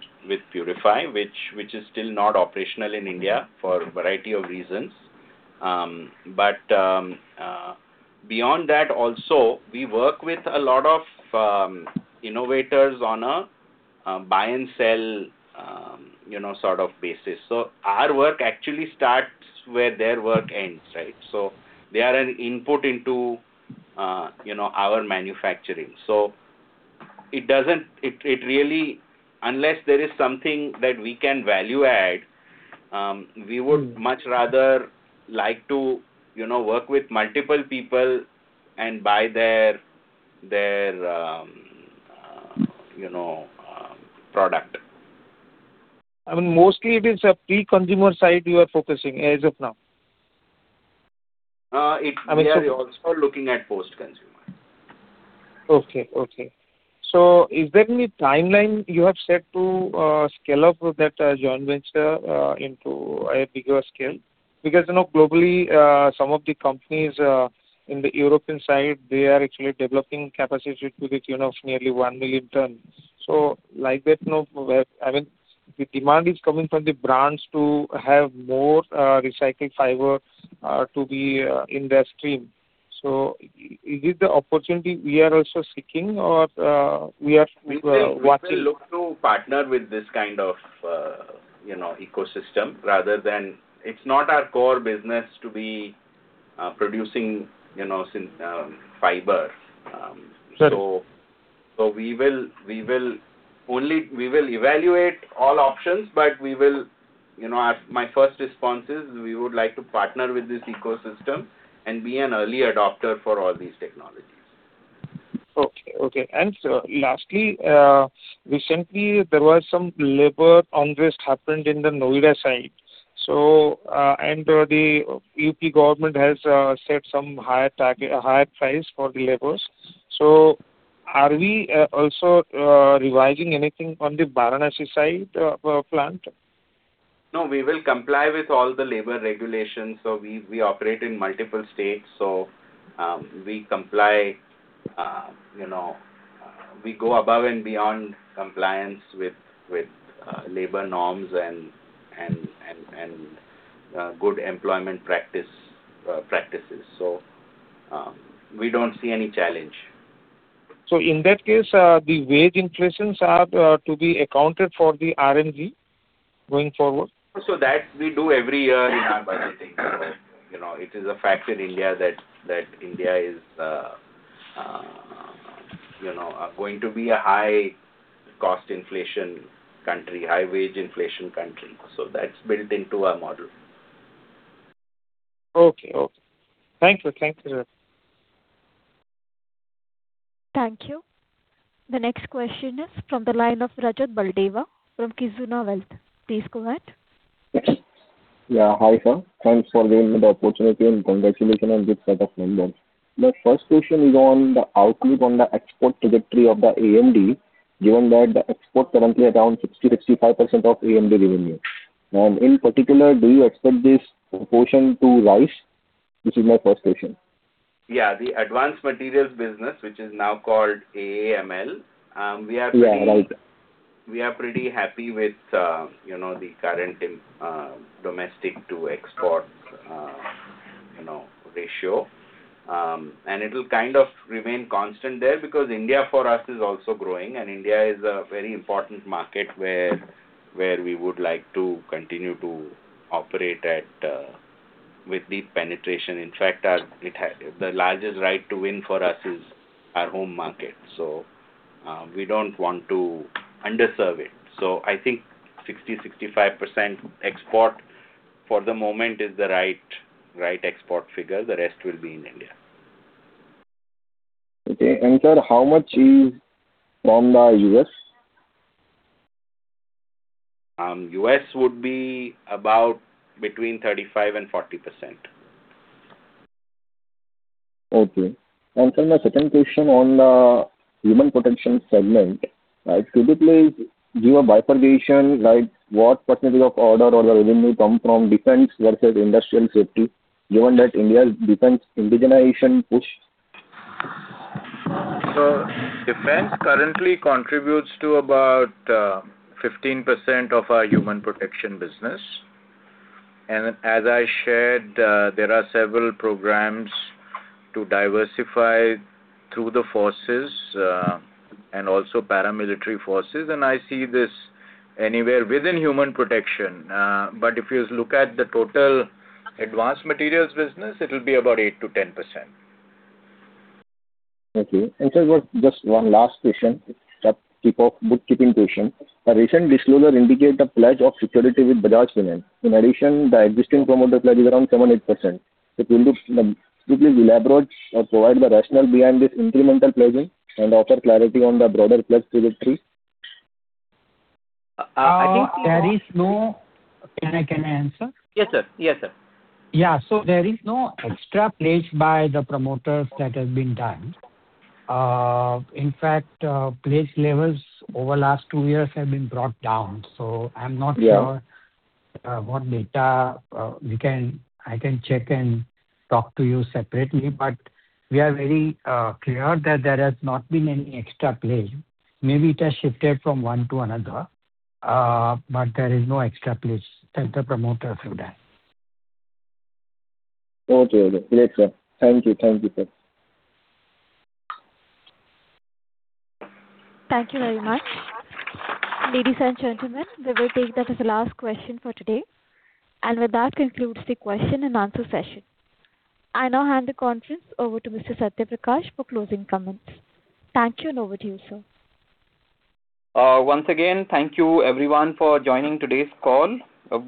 PurFi, which is still not operational in India for a variety of reasons. Beyond that also, we work with a lot of innovators on a buy and sell, you know, sort of basis. Our work actually starts where their work ends, right? They are an input into, you know, our manufacturing. Unless there is something that we can value add, we would much rather like to, you know, work with multiple people and buy their product. I mean, mostly it is a pre-consumer side you are focusing as of now. Uh, it- I mean We are also looking at post-consumer. Okay. Okay. Is there any timeline you have set to scale up that joint venture into a bigger scale? You know, globally, some of the companies in the European side, they are actually developing capacity to the tune of nearly 1 million tons. Like that, you know, I mean, the demand is coming from the brands to have more recycled fiber to be in their stream. Is this the opportunity we are also seeking or we are watching? We will look to partner with this kind of, you know, ecosystem rather than It's not our core business to be producing, you know, fiber. Sure. We will evaluate all options, but we will, you know, my first response is we would like to partner with this ecosystem and be an early adopter for all these technologies. Okay. Okay. Lastly, recently there was some labor unrest happened in the Noida side. The UP government has set some higher target, higher price for the labors. Are we also revising anything on the Varanasi side plant? No, we will comply with all the labor regulations. We operate in multiple states. We comply, you know, we go above and beyond compliance with labor norms and good employment practices. We don't see any challenge. In that case, the wage inflations are to be accounted for the RNG going forward? That we do every year in our budgeting. Okay. You know, it is a fact in India that India is, you know, going to be a high cost inflation country, high wage inflation country. That's built into our model. Okay. Okay. Thank you. Thank you. Thank you. The next question is from the line of Rajat Baldeva from Kizuna Wealth. Please go ahead. Yeah. Hi, sir. Thanks for giving me the opportunity. Congratulations on good set of numbers. My first question is on the outlook on the export trajectory of the AMD, given that the exports currently around 60%-65% of AMD revenue. In particular, do you expect this proportion to rise? This is my first question. Yeah. The Advanced Materials business, which is now called AAML. Yeah, right. we are pretty happy with, you know, the current domestic to export. You know, ratio. It'll kind of remain constant there because India for us is also growing, India is a very important market where we would like to continue to operate at with deep penetration. In fact, The largest right to win for us is our home market. We don't want to underserve it. I think 60%, 65% export for the moment is the right export figure. The rest will be in India. Okay. Sir, how much is from the U.S.? U.S. would be about between 35% and 40%. Okay. Sir, my second question on the human protection segment, could you please give a bifurcation, like what % of order or the revenue come from defense versus industrial safety, given that India's defense indigenization push? Defense currently contributes to about 15% of our human protection business. As I shared, there are several programs to diversify through the forces and also paramilitary forces, and I see this anywhere within human protection. If you look at the total Advanced Materials business, it will be about 8%-10%. Okay. Sir, just one last question. A bookkeeping question. A recent disclosure indicate the pledge of security with Bajaj Finance. In addition, the existing promoter pledge is around 7%-8%. If you could quickly elaborate or provide the rationale behind this incremental pledging and offer clarity on the broader pledge trajectory. Uh, I think- there is no Can I answer? Yes, sir. Yes, sir. There is no extra pledge by the promoters that has been done. In fact, pledge levels over last two years have been brought down. Yeah. What data, I can check and talk to you separately, but we are very clear that there has not been any extra pledge. Maybe it has shifted from one to another, but there is no extra pledge that the promoters have done. Okay. Okay. Great, sir. Thank you. Thank you, sir. Thank you very much. Ladies and gentlemen, we will take that as the last question for today. With that concludes the question-and-answer session. I now hand the conference over to Mr. Satya Prakash Mishra for closing comments. Thank you, and over to you, sir. Once again, thank you everyone for joining today's call.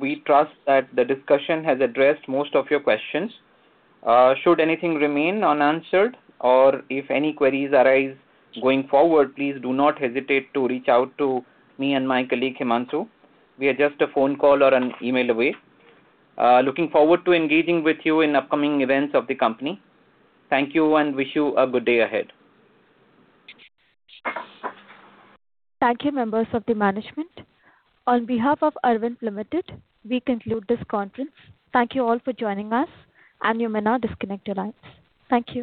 We trust that the discussion has addressed most of your questions. Should anything remain unanswered or if any queries arise going forward, please do not hesitate to reach out to me and my colleague, Himanshu. We are just a phone call or an email away. Looking forward to engaging with you in upcoming events of the company. Thank you, and wish you a good day ahead. Thank you, members of the management. On behalf of Arvind Limited, we conclude this conference. Thank you all for joining us, and you may now disconnect your lines. Thank you.